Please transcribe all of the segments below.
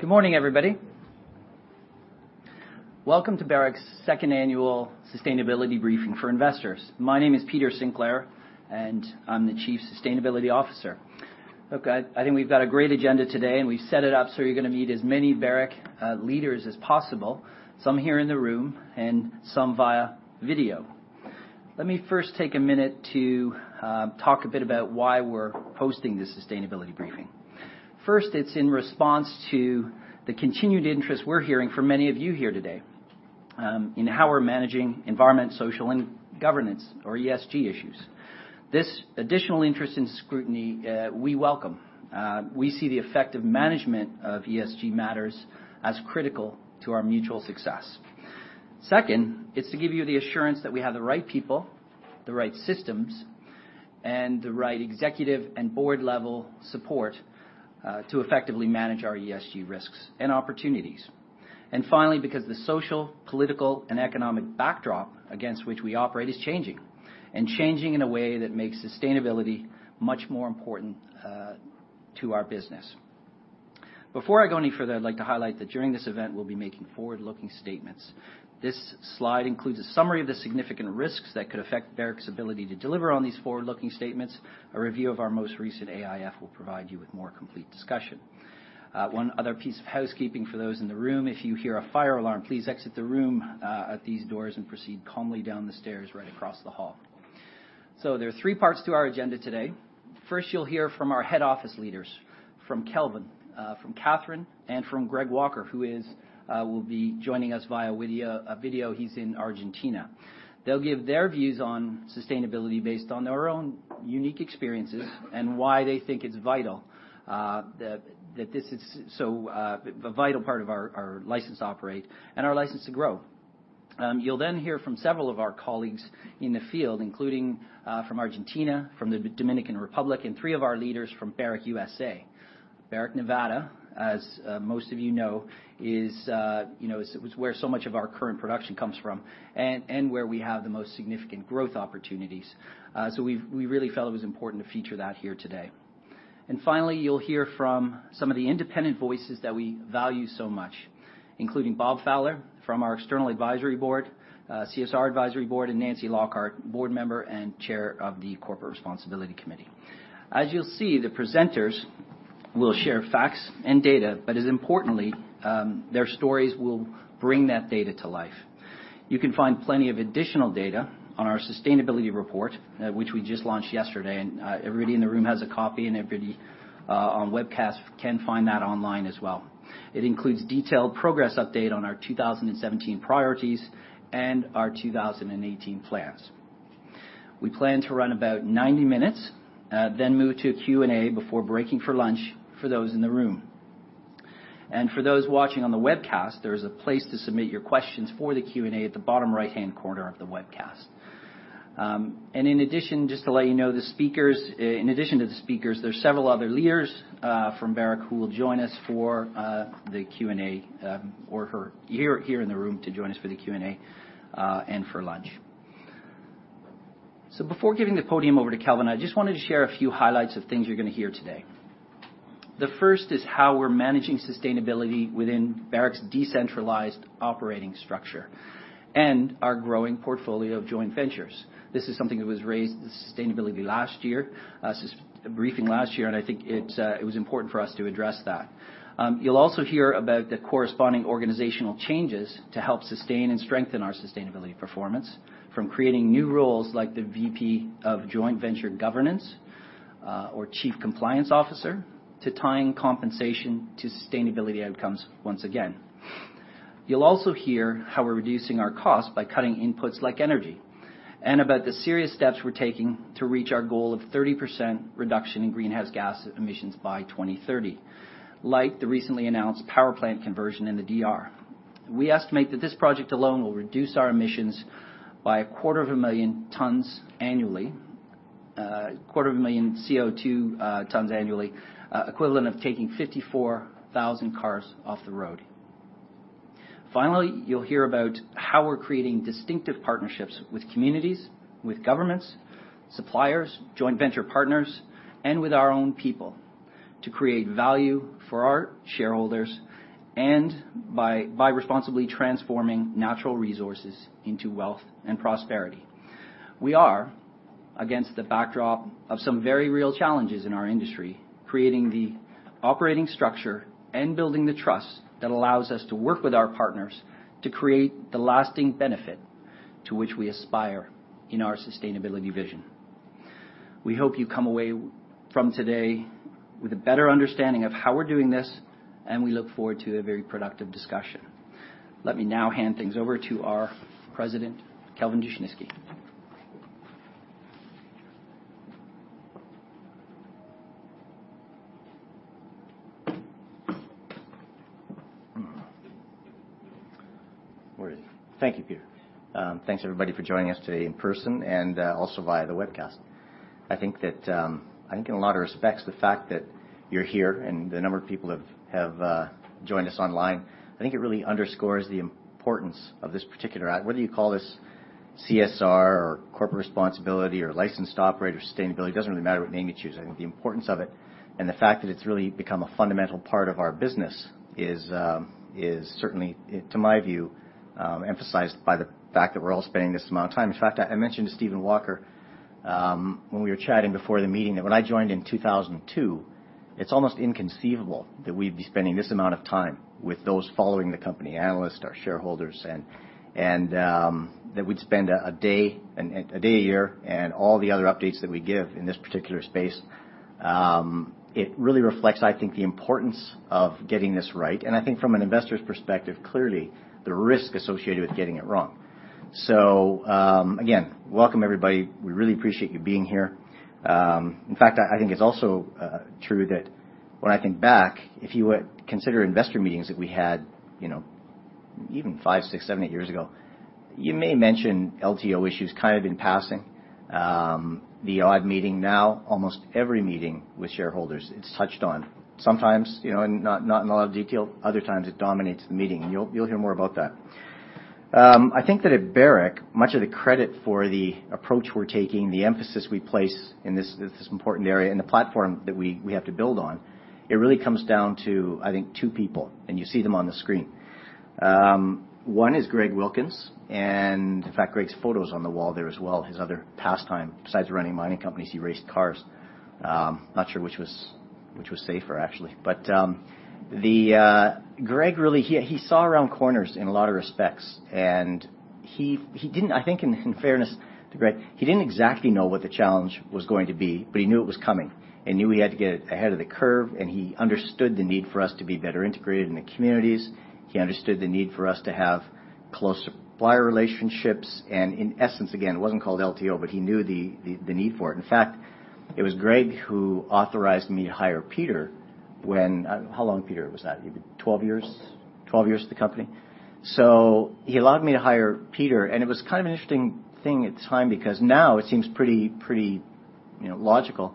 Good morning, everybody. Welcome to Barrick's second annual sustainability briefing for investors. My name is Peter Sinclair, and I am the Chief Sustainability Officer. Look, I think we have a great agenda today, and we have set it up so you are going to meet as many Barrick leaders as possible, some here in the room and some via video. Let me first take a minute to talk a bit about why we are hosting this sustainability briefing. First, it is in response to the continued interest we are hearing from many of you here today in how we are managing environmental, social, and governance or ESG issues. This additional interest in scrutiny, we welcome. We see the effective management of ESG matters as critical to our mutual success. Second, it is to give you the assurance that we have the right people, the right systems, and the right executive and board-level support to effectively manage our ESG risks and opportunities. Finally, because the social, political, and economic backdrop against which we operate is changing, and changing in a way that makes sustainability much more important to our business. Before I go any further, I would like to highlight that during this event, we will be making forward-looking statements. This slide includes a summary of the significant risks that could affect Barrick's ability to deliver on these forward-looking statements. A review of our most recent AIF will provide you with a more complete discussion. One other piece of housekeeping for those in the room, if you hear a fire alarm, please exit the room at these doors and proceed calmly down the stairs right across the hall. There are three parts to our agenda today. First, you will hear from our head office leaders, from Kelvin, from Catherine, and from Greg Walker, who will be joining us via video. He is in Argentina. They will give their views on sustainability based on their own unique experiences and why they think it is a vital part of our license to operate and our license to grow. You will then hear from several of our colleagues in the field, including from Argentina, from the Dominican Republic, and three of our leaders from Barrick USA. Barrick Nevada, as most of you know, is where so much of our current production comes from and where we have the most significant growth opportunities. We really felt it was important to feature that here today. Finally, you will hear from some of the independent voices that we value so much, including Bob Fowler from our external advisory board, CSR advisory board, and Nancy Lockhart, board member and Chair of the Corporate Responsibility Committee. As you will see, the presenters will share facts and data, but as importantly, their stories will bring that data to life. You can find plenty of additional data on our sustainability report, which we just launched yesterday, and everybody in the room has a copy, and everybody on webcast can find that online as well. It includes a detailed progress update on our 2017 priorities and our 2018 plans. We plan to run about 90 minutes, then move to a Q&A before breaking for lunch for those in the room. For those watching on the webcast, there is a place to submit your questions for the Q&A at the bottom right-hand corner of the webcast. In addition, just to let you know, in addition to the speakers, there's several other leaders from Barrick who will join us for the Q&A or who are here in the room to join us for the Q&A and for lunch. Before giving the podium over to Kelvin, I just wanted to share a few highlights of things you're going to hear today. The first is how we're managing sustainability within Barrick's decentralized operating structure and our growing portfolio of joint ventures. This is something that was raised at the sustainability briefing last year, and I think it was important for us to address that. You'll also hear about the corresponding organizational changes to help sustain and strengthen our sustainability performance, from creating new roles like the VP of Joint Venture Governance, or chief compliance officer, to tying compensation to sustainability outcomes once again. You'll also hear how we're reducing our cost by cutting inputs like energy, and about the serious steps we're taking to reach our goal of 30% reduction in greenhouse gas emissions by 2030, like the recently announced power plant conversion in the DR. We estimate that this project alone will reduce our emissions by 250,000 CO2 tons annually, equivalent of taking 54,000 cars off the road. Finally, you'll hear about how we're creating distinctive partnerships with communities, with governments, suppliers, joint venture partners, and with our own people to create value for our shareholders and by responsibly transforming natural resources into wealth and prosperity. We are, against the backdrop of some very real challenges in our industry, creating the operating structure and building the trust that allows us to work with our partners to create the lasting benefit to which we aspire in our sustainability vision. We hope you come away from today with a better understanding of how we're doing this, we look forward to a very productive discussion. Let me now hand things over to our president, Kelvin Dushnisky. Thank you, Peter. Thanks, everybody, for joining us today in person and also via the webcast. I think in a lot of respects, the fact that you're here and the number of people who have joined us online, I think it really underscores the importance of this particular, whether you call this CSR or corporate responsibility or license to operator sustainability, it doesn't really matter what name you choose. I think the importance of it, and the fact that it's really become a fundamental part of our business is certainly, to my view, emphasized by the fact that we're all spending this amount of time. I mentioned to Greg Walker, when we were chatting before the meeting, that when I joined in 2002, it's almost inconceivable that we'd be spending this amount of time with those following the company analysts, our shareholders, and that we'd spend a day a year and all the other updates that we give in this particular space. It really reflects, I think, the importance of getting this right, and I think from an investor's perspective, clearly the risk associated with getting it wrong. Again, welcome everybody. We really appreciate you being here. In fact, I think it's also true that when I think back, if you were to consider investor meetings that we had even five, six, seven, eight years ago, you may mention LTO issues kind of in passing. The odd meeting now, almost every meeting with shareholders, it's touched on. Sometimes, not in a lot of detail, other times it dominates the meeting, and you'll hear more about that. I think that at Barrick, much of the credit for the approach we're taking, the emphasis we place in this important area, and the platform that we have to build on, it really comes down to, I think, two people, and you see them on the screen. One is Greg Wilkins, and in fact, Greg's photo's on the wall there as well. His other pastime, besides running mining companies, he raced cars. I'm not sure which was safer, actually. Greg really saw around corners in a lot of respects, and he didn't, I think in fairness to Greg, he didn't exactly know what the challenge was going to be, but he knew it was coming, and knew he had to get ahead of the curve, and he understood the need for us to be better integrated in the communities. He understood the need for us to have close supplier relationships, and in essence, again, it wasn't called LTO, but he knew the need for it. In fact, it was Greg who authorized me to hire Peter when How long, Peter, was that? 12 years? 12 years at the company. He allowed me to hire Peter, and it was kind of an interesting thing at the time because now it seems pretty logical.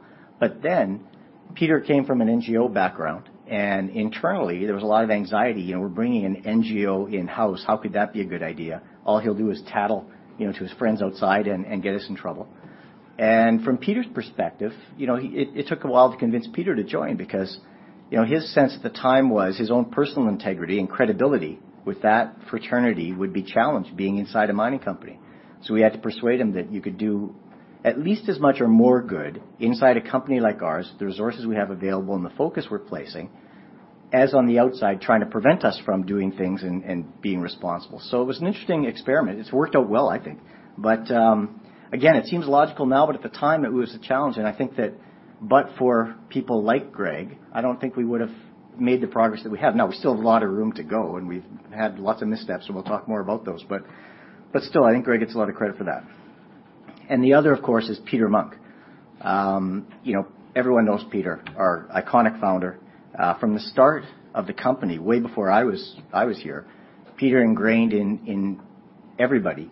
Peter came from an NGO background and internally there was a lot of anxiety. We're bringing an NGO in-house. How could that be a good idea? All he'll do is tattle to his friends outside and get us in trouble. From Peter's perspective, it took a while to convince Peter to join because his sense at the time was his own personal integrity and credibility with that fraternity would be challenged being inside a mining company. We had to persuade him that you could do at least as much or more good inside a company like ours, the resources we have available and the focus we're placing, as on the outside trying to prevent us from doing things and being responsible. It's worked out well, I think. Again, it seems logical now, but at the time it was a challenge. I think that but for people like Greg, I don't think we would've made the progress that we have. We still have a lot of room to go. We've had lots of missteps, and we'll talk more about those. Still, I think Greg gets a lot of credit for that. The other, of course, is Peter Munk. Everyone knows Peter, our iconic founder. From the start of the company, way before I was here, Peter ingrained in everybody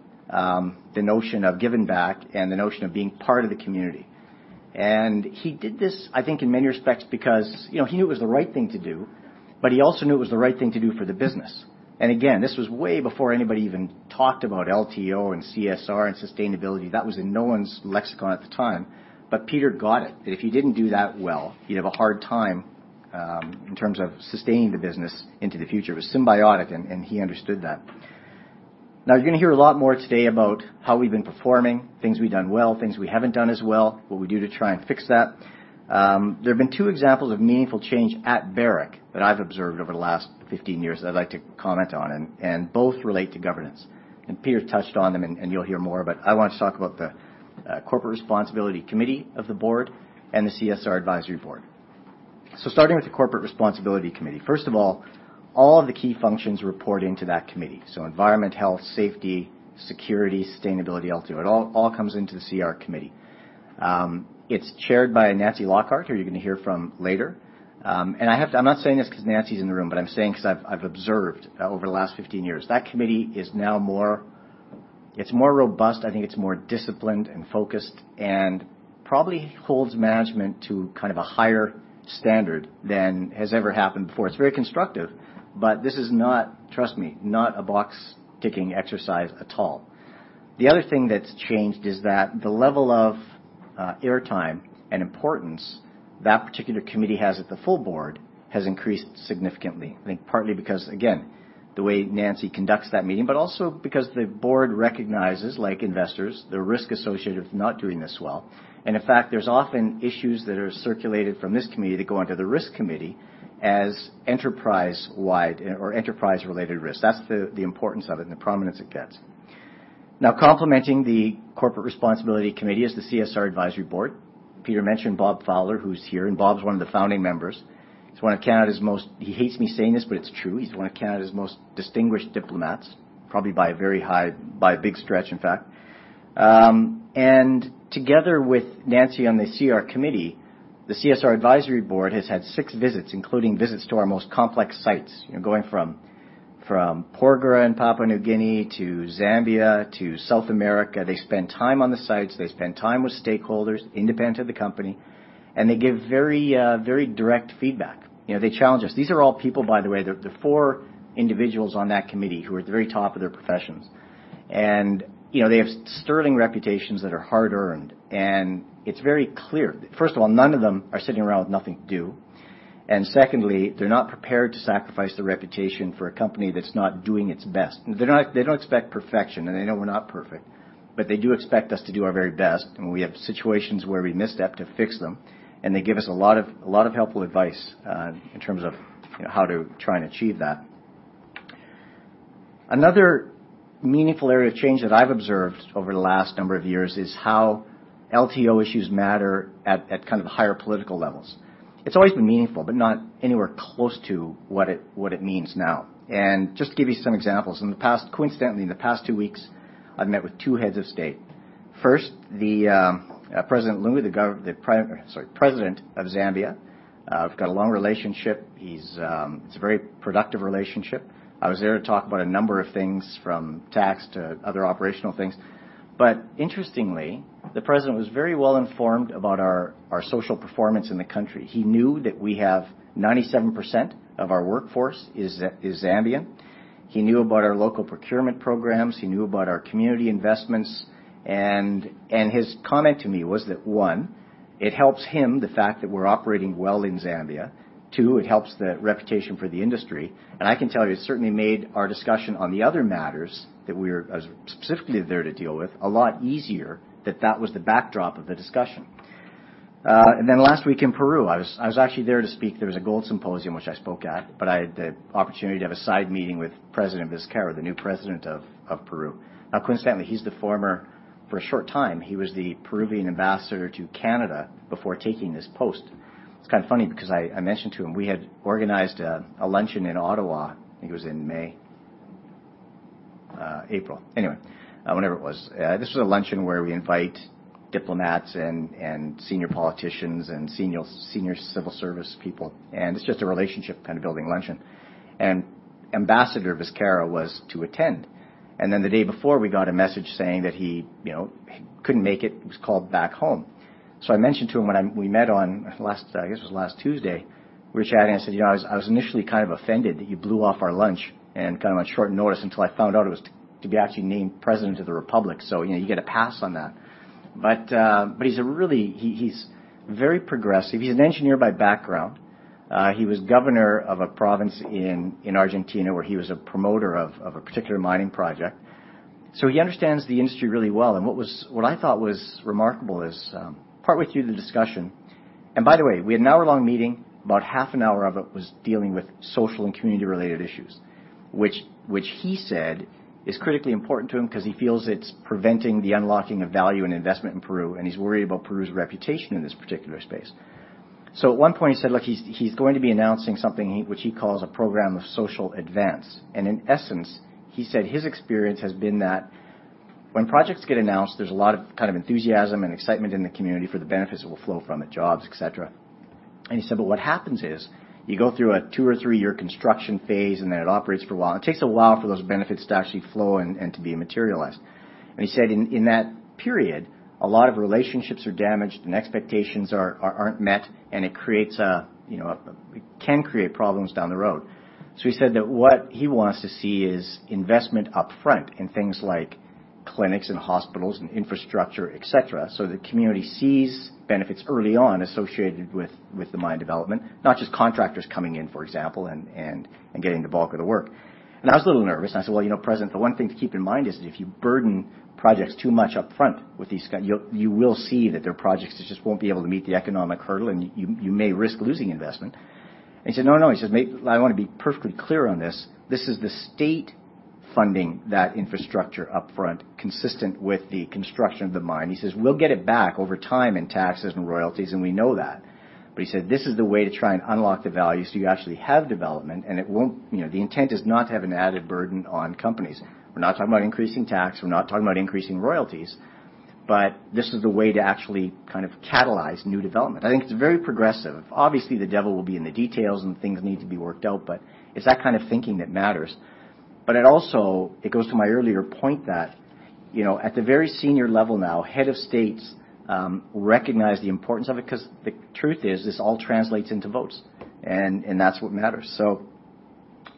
the notion of giving back and the notion of being part of the community. He did this, I think, in many respects because he knew it was the right thing to do, but he also knew it was the right thing to do for the business. Again, this was way before anybody even talked about LTO and CSR and sustainability. That was in no one's lexicon at the time. Peter got it, that if you didn't do that well, you'd have a hard time, in terms of sustaining the business into the future. It was symbiotic, and he understood that. You're going to hear a lot more today about how we've been performing, things we've done well, things we haven't done as well, what we do to try and fix that. There have been two examples of meaningful change at Barrick that I've observed over the last 15 years that I'd like to comment on. Both relate to governance. Peter touched on them and you'll hear more, but I want to talk about the Corporate Responsibility Committee of the board and the CSR Advisory Board. Starting with the Corporate Responsibility Committee, first of all of the key functions report into that committee. Environment, health, safety, security, sustainability, LTO. It all comes into the CR committee. It's chaired by Nancy Lockhart, who you're going to hear from later. I'm not saying this because Nancy's in the room, but I'm saying because I've observed over the last 15 years. That committee is now more robust. I think it's more disciplined and focused and probably holds management to a higher standard than has ever happened before. It's very constructive, but this is not, trust me, not a box-ticking exercise at all. The other thing that's changed is that the level of air time and importance that particular committee has at the full board has increased significantly. I think partly because, again, the way Nancy conducts that meeting. Also because the board recognizes, like investors, the risk associated with not doing this well. In fact, there's often issues that are circulated from this committee that go onto the risk committee as enterprise-wide or enterprise-related risk. That's the importance of it and the prominence it gets. Complementing the Corporate Responsibility Committee is the CSR Advisory Board. Peter mentioned Bob Fowler, who's here. Bob's one of the founding members. He hates me saying this, but it's true. He's one of Canada's most distinguished diplomats, probably by a very high, by a big stretch, in fact. Together with Nancy on the CR committee, the CSR Advisory Board has had six visits, including visits to our most complex sites, going from Porgera in Papua New Guinea to Zambia to South America. They spend time on the sites. They spend time with stakeholders independent of the company, and they give very direct feedback. They challenge us. These are all people, by the way, the four individuals on that committee who are at the very top of their professions. They have sterling reputations that are hard-earned, and it's very clear. First of all, none of them are sitting around with nothing to do. Secondly, they're not prepared to sacrifice their reputation for a company that's not doing its best. They don't expect perfection, and they know we're not perfect, but they do expect us to do our very best. We have situations where we misstep to fix them, and they give us a lot of helpful advice in terms of how to try and achieve that. Another meaningful area of change that I've observed over the last number of years is how LTO issues matter at kind of higher political levels. It's always been meaningful, but not anywhere close to what it means now. Just to give you some examples, coincidentally, in the past two weeks, I've met with two heads of state. First, President Lungu, the President of Zambia. I've got a long relationship. It's a very productive relationship. I was there to talk about a number of things from tax to other operational things. Interestingly, the President was very well-informed about our social performance in the country. He knew that we have 97% of our workforce is Zambian. He knew about our local procurement programs. He knew about our community investments, and his comment to me was that, one, it helps him the fact that we're operating well in Zambia. Two, it helps the reputation for the industry. I can tell you, it certainly made our discussion on the other matters that I was specifically there to deal with, a lot easier that that was the backdrop of the discussion. Last week in Peru, I was actually there to speak. There was a gold symposium, which I spoke at, but I had the opportunity to have a side meeting with President Vizcarra, the new President of Peru. Now coincidentally, for a short time, he was the Peruvian ambassador to Canada before taking this post. It's kind of funny because I mentioned to him we had organized a luncheon in Ottawa, I think it was in May. April. Anyway, whenever it was. This was a luncheon where we invite diplomats and senior politicians and senior civil service people, and it's just a relationship kind of building luncheon. Ambassador Vizcarra was to attend. Then the day before, we got a message saying that he couldn't make it. He was called back home. I mentioned to him when we met on, I guess it was last Tuesday. We were chatting. I said, "I was initially kind of offended that you blew off our lunch and kind of on short notice until I found out it was to be actually named President of the Republic. You get a pass on that." He's very progressive. He's an engineer by background. He was governor of a province in Argentina, where he was a promoter of a particular mining project. He understands the industry really well. What I thought was remarkable is, partway through the discussion. By the way, we had an hour-long meeting. About half an hour of it was dealing with social and community-related issues, which he said is critically important to him because he feels it's preventing the unlocking of value and investment in Peru, and he's worried about Peru's reputation in this particular space. At one point, he said, look, he's going to be announcing something which he calls a program of social advance. In essence, he said his experience has been that when projects get announced, there's a lot of kind of enthusiasm and excitement in the community for the benefits that will flow from it, jobs, et cetera. He said, what happens is you go through a two or three-year construction phase, and then it operates for a while. It takes a while for those benefits to actually flow and to be materialized. He said in that period, a lot of relationships are damaged, and expectations aren't met, and it can create problems down the road. He said that what he wants to see is investment up front in things like clinics and hospitals and infrastructure, et cetera. The community sees benefits early on associated with the mine development, not just contractors coming in, for example, and getting the bulk of the work. I was a little nervous, I said, "Well, President, the one thing to keep in mind is that if you burden projects too much up front with these, you will see that their projects just won't be able to meet the economic hurdle, and you may risk losing investment." He said, "No, no." He says, "I want to be perfectly clear on this. This is the state funding that infrastructure up front, consistent with the construction of the mine." He says, "We'll get it back over time in taxes and royalties, and we know that." He said, "This is the way to try and unlock the value so you actually have development. The intent is not to have an added burden on companies. We're not talking about increasing tax. We're not talking about increasing royalties. This is the way to actually kind of catalyze new development." I think it's very progressive. Obviously, the devil will be in the details, and things need to be worked out, but it's that kind of thinking that matters. It also goes to my earlier point that at the very senior level now, head of states recognize the importance of it because the truth is this all translates into votes, and that's what matters.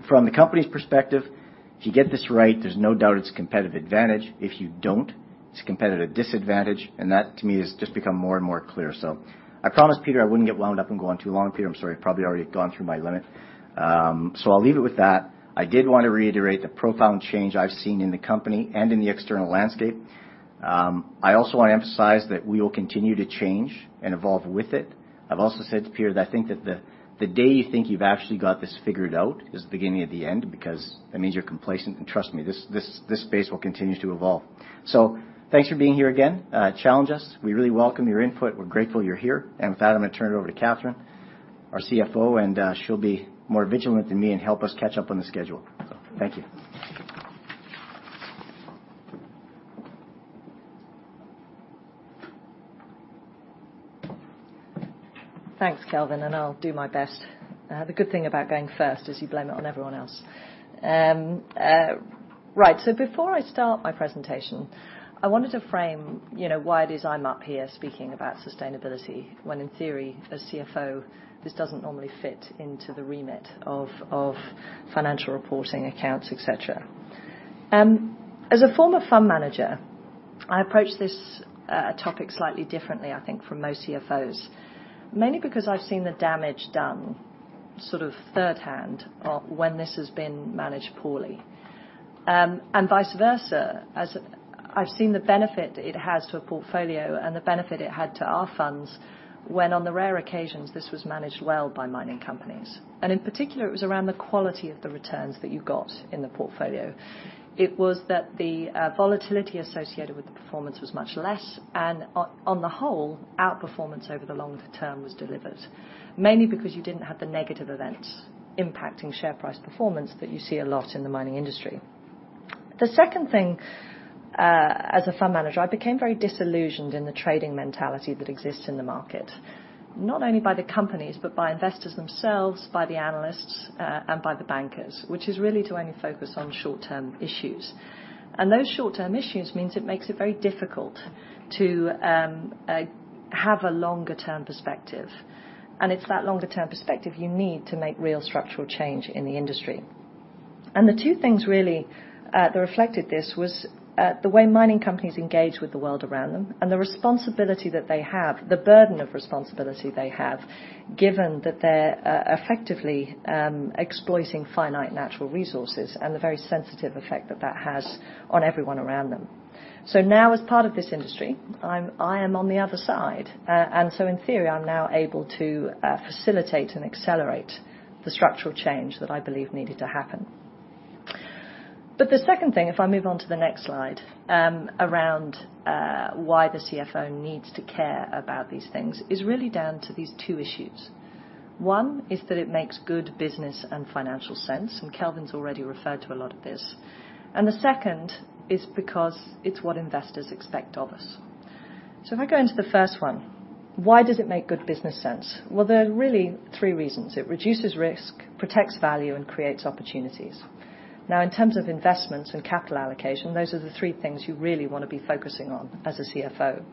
From the company's perspective, if you get this right, there's no doubt it's a competitive advantage. If you don't, it's a competitive disadvantage, and that to me has just become more and more clear. I promised Peter I wouldn't get wound up and go on too long. Peter, I'm sorry. I've probably already gone through my limit. I'll leave it with that. I did want to reiterate the profound change I've seen in the company and in the external landscape. I also want to emphasize that we will continue to change and evolve with it. I've also said to Peter that I think that the day you think you've actually got this figured out is the beginning of the end because that means you're complacent. Trust me, this space will continue to evolve. Thanks for being here again. Challenge us. We really welcome your input. We're grateful you're here. With that, I'm going to turn it over to Catherine, our CFO, and she'll be more vigilant than me and help us catch up on the schedule. Thank you. Thanks, Kelvin, I'll do my best. The good thing about going first is you blame it on everyone else. Right. Before I start my presentation, I wanted to frame why it is I'm up here speaking about sustainability when in theory, as CFO, this doesn't normally fit into the remit of financial reporting accounts, et cetera. As a former fund manager, I approach this topic slightly differently, I think, from most CFOs, mainly because I've seen the damage done sort of third hand when this has been managed poorly. Vice versa, as I've seen the benefit it has to a portfolio and the benefit it had to our funds when on the rare occasions this was managed well by mining companies. In particular, it was around the quality of the returns that you got in the portfolio. It was that the volatility associated with the performance was much less, on the whole, outperformance over the longer term was delivered, mainly because you didn't have the negative events impacting share price performance that you see a lot in the mining industry. The second thing, as a fund manager, I became very disillusioned in the trading mentality that exists in the market, not only by the companies, but by investors themselves, by the analysts, and by the bankers, which is really to only focus on short-term issues. Those short-term issues means it makes it very difficult to have a longer-term perspective. It's that longer-term perspective you need to make real structural change in the industry. The two things really that reflected this was the way mining companies engage with the world around them, and the responsibility that they have, the burden of responsibility they have, given that they're effectively exploiting finite natural resources and the very sensitive effect that that has on everyone around them. Now as part of this industry, I am on the other side. In theory, I'm now able to facilitate and accelerate the structural change that I believe needed to happen. The second thing, if I move on to the next slide, around why the CFO needs to care about these things, is really down to these two issues. One is that it makes good business and financial sense, Kelvin's already referred to a lot of this. The second is because it's what investors expect of us. If I go into the first one, why does it make good business sense? Well, there are really three reasons. It reduces risk, protects value, and creates opportunities. In terms of investments and capital allocation, those are the three things you really want to be focusing on as a CFO.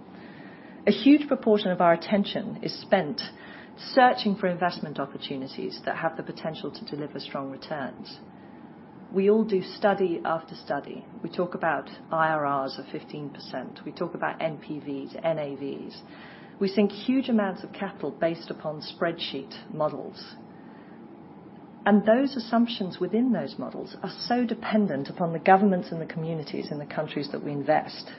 A huge proportion of our attention is spent searching for investment opportunities that have the potential to deliver strong returns. We all do study after study. We talk about IRRs of 15%. We talk about NPVs, NAVs. We sink huge amounts of capital based upon spreadsheet models. Those assumptions within those models are so dependent upon the governments and the communities in the countries that we invest.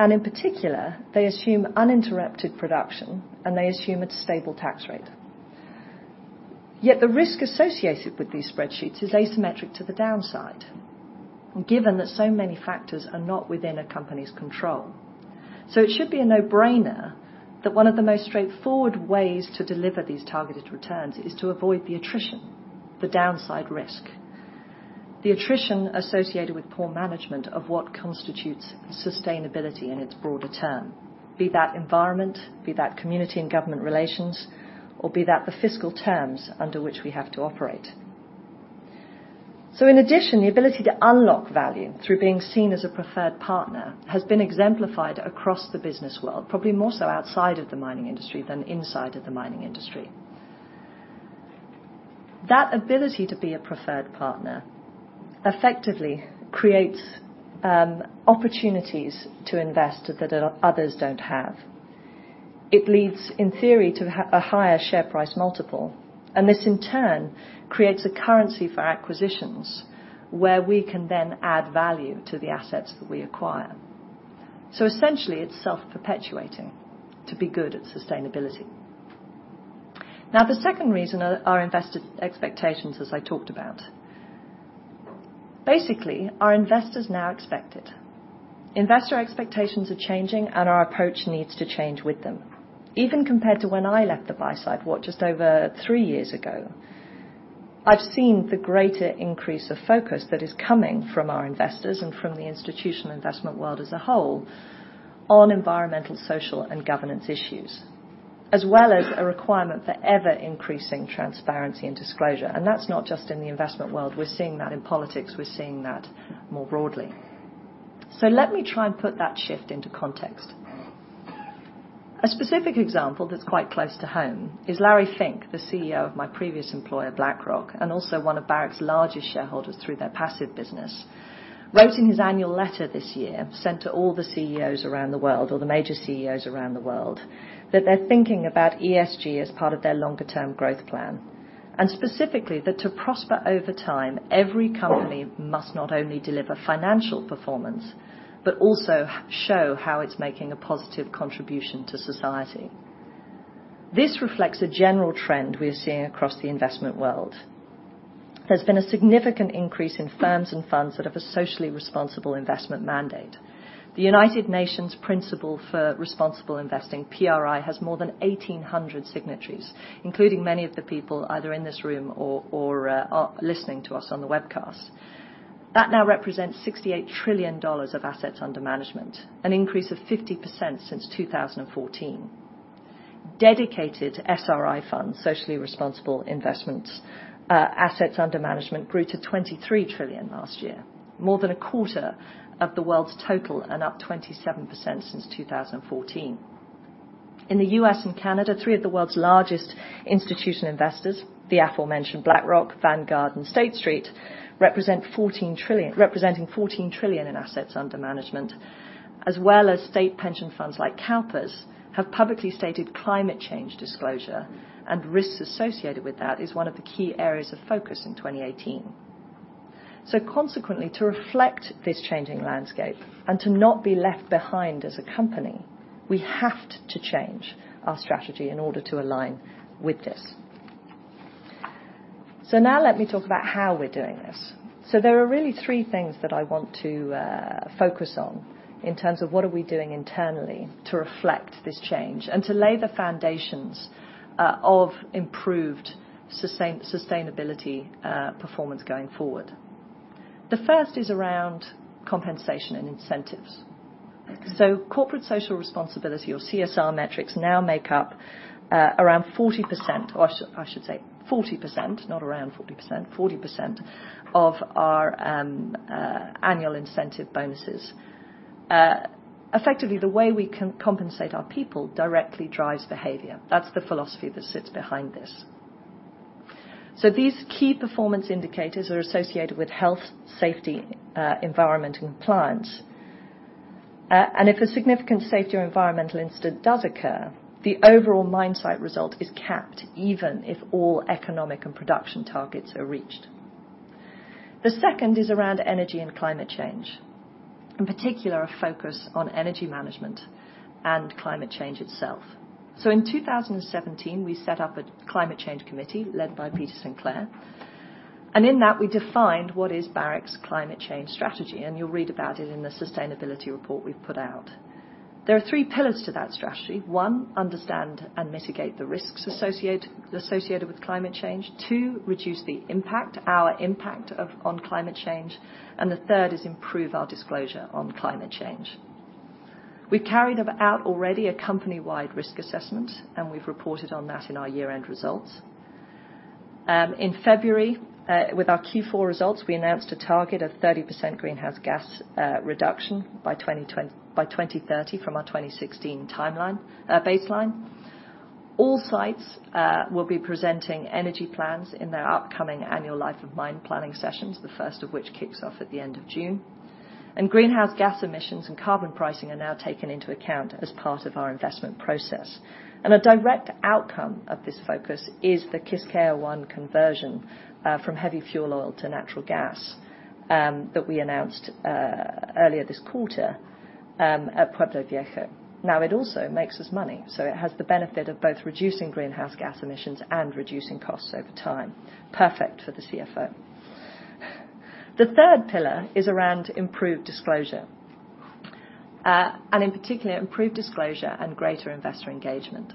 In particular, they assume uninterrupted production, and they assume a stable tax rate. Yet the risk associated with these spreadsheets is asymmetric to the downside, given that so many factors are not within a company's control. It should be a no-brainer that one of the most straightforward ways to deliver these targeted returns is to avoid the attrition, the downside risk, the attrition associated with poor management of what constitutes sustainability in its broader term, be that environment, be that community and government relations, or be that the fiscal terms under which we have to operate. In addition, the ability to unlock value through being seen as a preferred partner has been exemplified across the business world, probably more so outside of the mining industry than inside of the mining industry. That ability to be a preferred partner effectively creates opportunities to invest that others don't have. It leads, in theory, to a higher share price multiple, this in turn creates a currency for acquisitions where we can then add value to the assets that we acquire. Essentially, it's self-perpetuating to be good at sustainability. The second reason are investor expectations, as I talked about. Basically, our investors now expect it. Investor expectations are changing, our approach needs to change with them. Even compared to when I left the buy side, what, just over three years ago, I've seen the greater increase of focus that is coming from our investors and from the institutional investment world as a whole on environmental, social, and governance issues, as well as a requirement for ever-increasing transparency and disclosure. That's not just in the investment world. We're seeing that in politics. We're seeing that more broadly. Let me try and put that shift into context. A specific example that's quite close to home is Larry Fink, the CEO of my previous employer, BlackRock, and also one of Barrick's largest shareholders through their passive business, wrote in his annual letter this year, sent to all the CEOs around the world or the major CEOs around the world, that they're thinking about ESG as part of their longer term growth plan, specifically that to prosper over time every company must not only deliver financial performance, but also show how it's making a positive contribution to society. This reflects a general trend we are seeing across the investment world. There's been a significant increase in firms and funds that have a socially responsible investment mandate. The United Nations Principles for Responsible Investment, PRI, has more than 1,800 signatories, including many of the people either in this room or listening to us on the webcast. That now represents $68 trillion of assets under management, an increase of 50% since 2014. Dedicated SRI funds, socially responsible investments, assets under management grew to $23 trillion last year, more than a quarter of the world's total and up 27% since 2014. In the U.S. and Canada, three of the world's largest institutional investors, the aforementioned BlackRock, Vanguard, and State Street, representing $14 trillion in assets under management, as well as state pension funds like CalPERS, have publicly stated climate change disclosure and risks associated with that is one of the key areas of focus in 2018. Consequently, to reflect this changing landscape and to not be left behind as a company, we have to change our strategy in order to align with this. Now let me talk about how we're doing this. There are really three things that I want to focus on in terms of what are we doing internally to reflect this change and to lay the foundations of improved sustainability performance going forward. The first is around compensation and incentives. Corporate social responsibility or CSR metrics now make up 40% of our annual incentive bonuses. Effectively, the way we compensate our people directly drives behavior. That's the philosophy that sits behind this. These key performance indicators are associated with health, safety, environment, and compliance. If a significant safety or environmental incident does occur, the overall mine site result is capped even if all economic and production targets are reached. The second is around energy and climate change, in particular a focus on energy management and climate change itself. In 2017, we set up a climate change committee led by Peter Sinclair, and in that we defined what is Barrick's climate change strategy, and you'll read about it in the sustainability report we've put out. There are three pillars to that strategy. One, understand and mitigate the risks associated with climate change. Two, reduce the impact, our impact on climate change, and the third is improve our disclosure on climate change. We've carried out already a company-wide risk assessment, and we've reported on that in our year-end results. In February, with our Q4 results, we announced a target of 30% greenhouse gas reduction by 2030 from our 2016 baseline. All sites will be presenting energy plans in their upcoming annual life of mine planning sessions, the first of which kicks off at the end of June. Greenhouse gas emissions and carbon pricing are now taken into account as part of our investment process. A direct outcome of this focus is the Quisqueya I conversion from heavy fuel oil to natural gas that we announced earlier this quarter at Pueblo Viejo. Now, it also makes us money, so it has the benefit of both reducing greenhouse gas emissions and reducing costs over time. Perfect for the CFO. The third pillar is around improved disclosure, and in particular improved disclosure and greater investor engagement.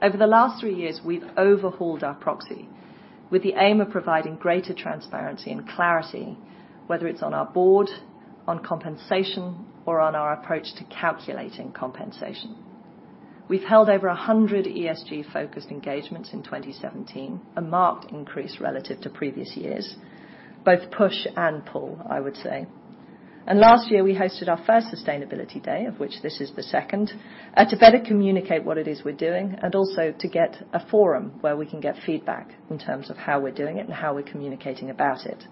Over the last three years, we've overhauled our proxy with the aim of providing greater transparency and clarity, whether it's on our board, on compensation, or on our approach to calculating compensation. We've held over 100 ESG-focused engagements in 2017, a marked increase relative to previous years, both push and pull, I would say. Last year we hosted our first sustainability day, of which this is the second, to better communicate what it is we're doing and also to get a forum where we can get feedback in terms of how we're doing it and how we're communicating about it.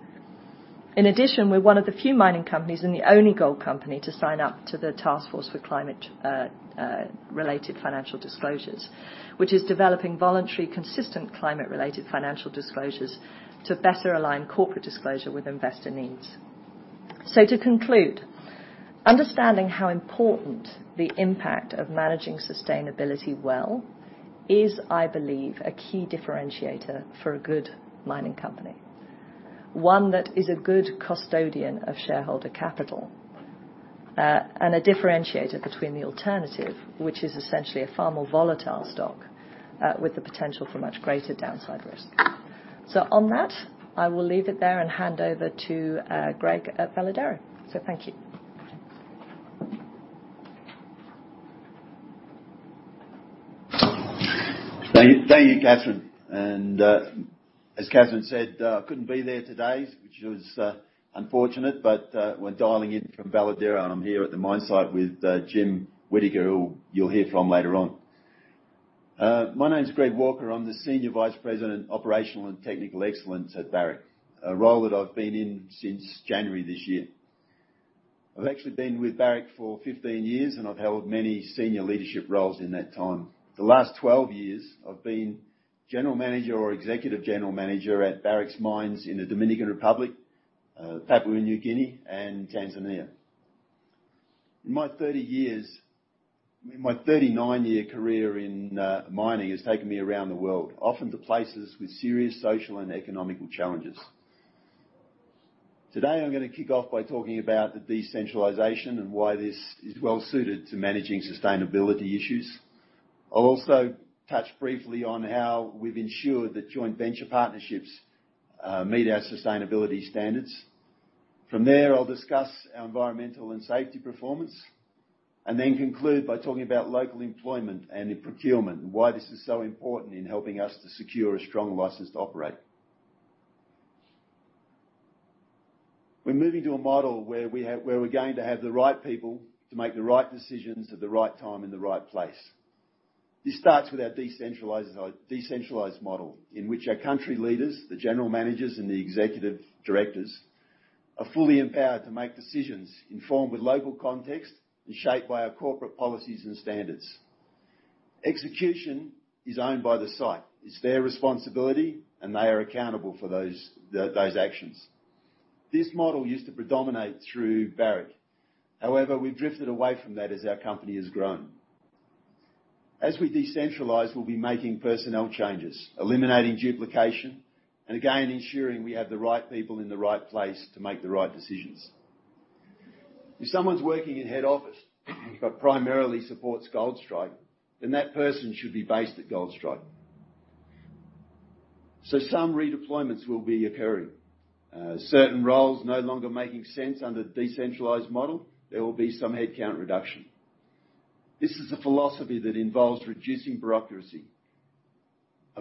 In addition, we're one of the few mining companies and the only gold company to sign up to the Task Force on Climate-related Financial Disclosures, which is developing voluntary consistent climate-related financial disclosures to better align corporate disclosure with investor needs. To conclude, understanding how important the impact of managing sustainability well is, I believe, a key differentiator for a good mining company. One that is a good custodian of shareholder capital, and a differentiator between the alternative, which is essentially a far more volatile stock with the potential for much greater downside risk. On that, I will leave it there and hand over to Greg at Veladero. Thank you. Thank you, Catherine. As Catherine said, couldn't be there today, which was unfortunate, but we're dialing in from Veladero, and I'm here at the mine site with Jim Whittaker, who you'll hear from later on. My name's Greg Walker. I'm the Senior Vice President of Operational and Technical Excellence at Barrick, a role that I've been in since January this year. I've actually been with Barrick for 15 years, and I've held many senior leadership roles in that time. The last 12 years, I've been General Manager or Executive General Manager at Barrick's mines in the Dominican Republic, Papua New Guinea, and Tanzania. My 39-year career in mining has taken me around the world, often to places with serious social and economic challenges. Today, I'm going to kick off by talking about the decentralization and why this is well-suited to managing sustainability issues. I'll also touch briefly on how we've ensured that joint venture partnerships meet our sustainability standards. From there, I'll discuss our environmental and safety performance, then conclude by talking about local employment and procurement, why this is so important in helping us to secure a strong license to operate. We're moving to a model where we're going to have the right people to make the right decisions at the right time, in the right place. This starts with our decentralized model, in which our country leaders, the General Managers, and the Executive Directors, are fully empowered to make decisions informed with local context and shaped by our corporate policies and standards. Execution is owned by the site. It's their responsibility, and they are accountable for those actions. This model used to predominate through Barrick. However, we've drifted away from that as our company has grown. We'll be making personnel changes, eliminating duplication, and again, ensuring we have the right people in the right place to make the right decisions. If someone's working in head office but primarily supports Goldstrike, then that person should be based at Goldstrike. Some redeployments will be occurring. Certain roles no longer making sense under the decentralized model, there will be some headcount reduction. This is a philosophy that involves reducing bureaucracy,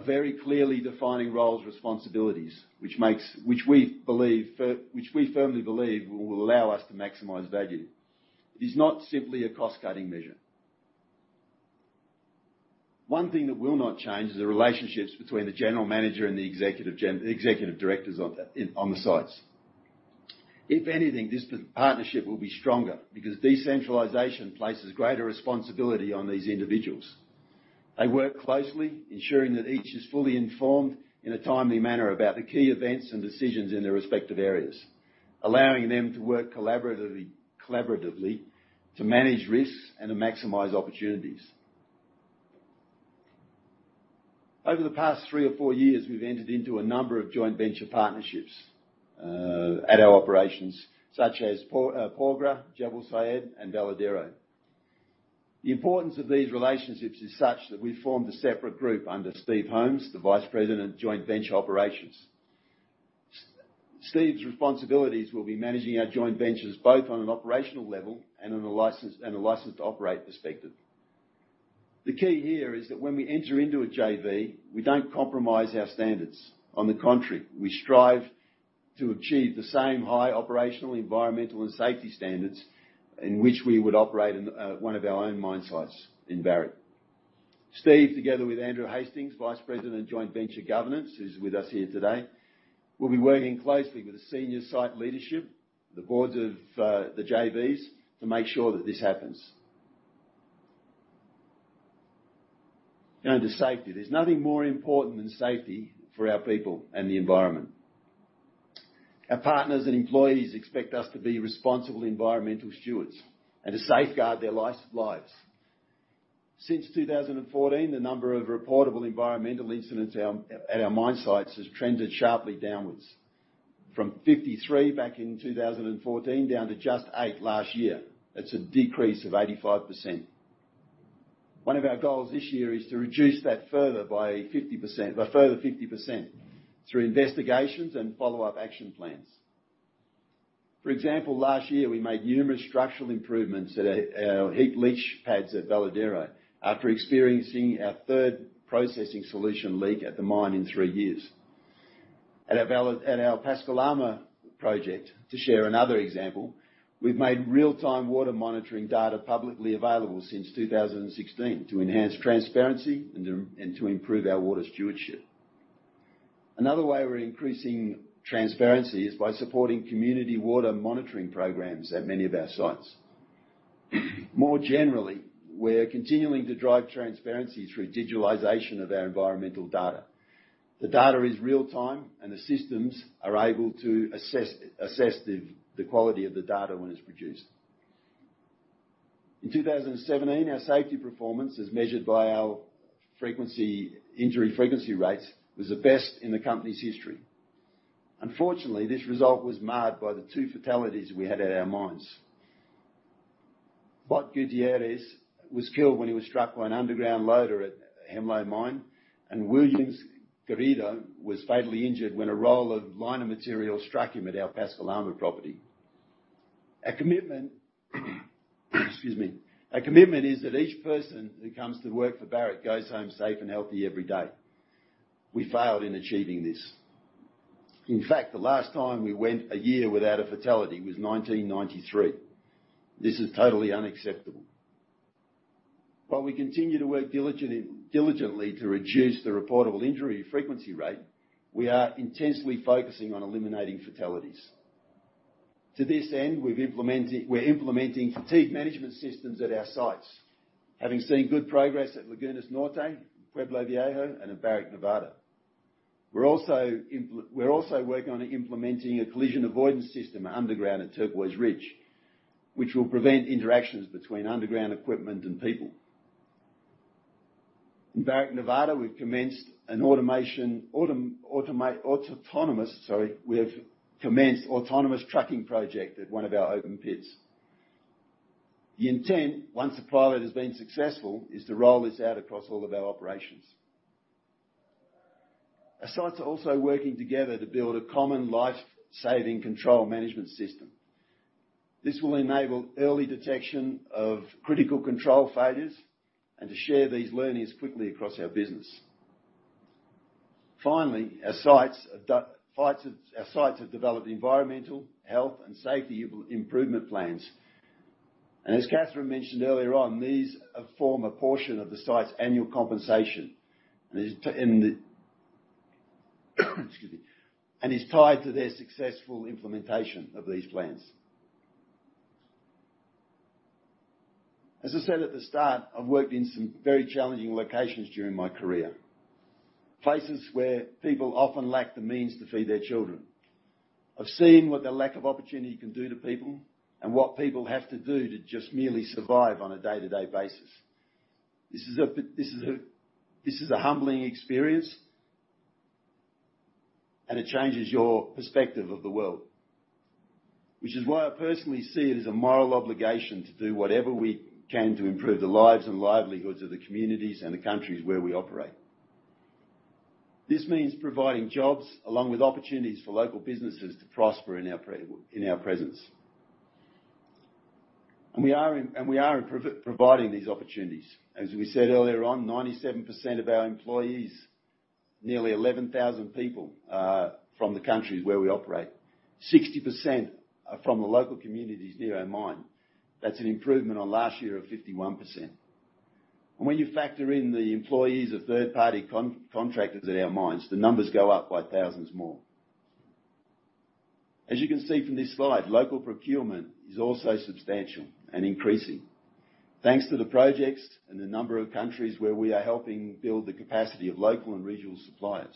of very clearly defining roles and responsibilities which we firmly believe will allow us to maximize value. It is not simply a cost-cutting measure. One thing that will not change is the relationships between the general manager and the executive directors on the sites. If anything, this partnership will be stronger because decentralization places greater responsibility on these individuals. They work closely, ensuring that each is fully informed in a timely manner about the key events and decisions in their respective areas, allowing them to work collaboratively to manage risks and to maximize opportunities. Over the past three or four years, we've entered into a number of joint venture partnerships at our operations such as Porgera, Jabal Sayid, and Veladero. The importance of these relationships is such that we formed a separate group under Steve Holmes, Vice President, Joint Venture Operations. Steve's responsibilities will be managing our joint ventures, both on an operational level and on a license to operate perspective. The key here is that when we enter into a JV, we don't compromise our standards. On the contrary, we strive to achieve the same high operational, environmental, and safety standards in which we would operate in one of our own mine sites in Barrick. Steve, together with Andrew Hastings, Vice President, Joint Venture Governance, who's with us here today, will be working closely with the senior site leadership, the boards of the JVs to make sure that this happens. To safety. There's nothing more important than safety for our people and the environment. Our partners and employees expect us to be responsible environmental stewards and to safeguard their lives. Since 2014, the number of reportable environmental incidents at our mine sites has trended sharply downwards from 53 back in 2014 down to just eight last year. That's a decrease of 85%. One of our goals this year is to reduce that by a further 50% through investigations and follow-up action plans. For example, last year, we made numerous structural improvements at our heap leach pads at Veladero after experiencing our third processing solution leak at the mine in three years. At our Pascua Lama project, to share another example, we've made real-time water monitoring data publicly available since 2016 to enhance transparency and to improve our water stewardship. Another way we're increasing transparency is by supporting community water monitoring programs at many of our sites. More generally, we're continuing to drive transparency through digitalization of our environmental data. The data is real time, and the systems are able to assess the quality of the data when it's produced. In 2017, our safety performance, as measured by our injury frequency rates, was the best in the company's history. Unfortunately, this result was marred by the two fatalities we had at our mines. Bob Gutierrez was killed when he was struck by an underground loader at Hemlo Mine, and Williams Garrido was fatally injured when a roll of liner material struck him at our Pascua Lama property. Our commitment is that each person who comes to work for Barrick goes home safe and healthy every day. We failed in achieving this. In fact, the last time we went a year without a fatality was 1993. This is totally unacceptable. While we continue to work diligently to reduce the reportable injury frequency rate, we are intensely focusing on eliminating fatalities. To this end, we're implementing fatigue management systems at our sites, having seen good progress at Lagunas Norte, Pueblo Viejo, and at Barrick Nevada. We're also working on implementing a collision avoidance system underground at Turquoise Ridge, which will prevent interactions between underground equipment and people. In Barrick Nevada, we've commenced autonomous trucking project at one of our open pits. The intent, once the pilot has been successful, is to roll this out across all of our operations. Our sites are also working together to build a common life-saving control management system. This will enable early detection of critical control failures and to share these learnings quickly across our business. Finally, our sites have developed environmental health and safety improvement plans. As Catherine mentioned earlier on, these form a portion of the site's annual compensation. Is tied to their successful implementation of these plans. As I said at the start, I've worked in some very challenging locations during my career. Places where people often lack the means to feed their children. I've seen what the lack of opportunity can do to people and what people have to do to just merely survive on a day-to-day basis. This is a humbling experience, and it changes your perspective of the world. Which is why I personally see it as a moral obligation to do whatever we can to improve the lives and livelihoods of the communities and the countries where we operate. This means providing jobs along with opportunities for local businesses to prosper in our presence. We are providing these opportunities. As we said earlier on, 97% of our employees, nearly 11,000 people, are from the countries where we operate. 60% are from the local communities near our mine. That's an improvement on last year of 51%. When you factor in the employees of third-party contractors at our mines, the numbers go up by thousands more. As you can see from this slide, local procurement is also substantial and increasing. Thanks to the projects and the number of countries where we are helping build the capacity of local and regional suppliers.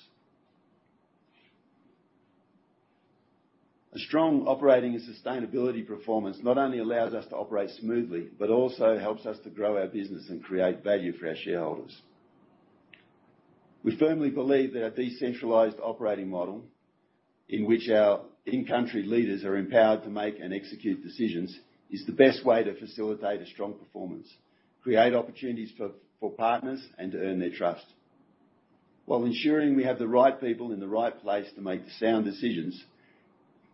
A strong operating and sustainability performance not only allows us to operate smoothly, but also helps us to grow our business and create value for our shareholders. We firmly believe that a decentralized operating model in which our in-country leaders are empowered to make and execute decisions is the best way to facilitate a strong performance, create opportunities for partners, and to earn their trust while ensuring we have the right people in the right place to make sound decisions.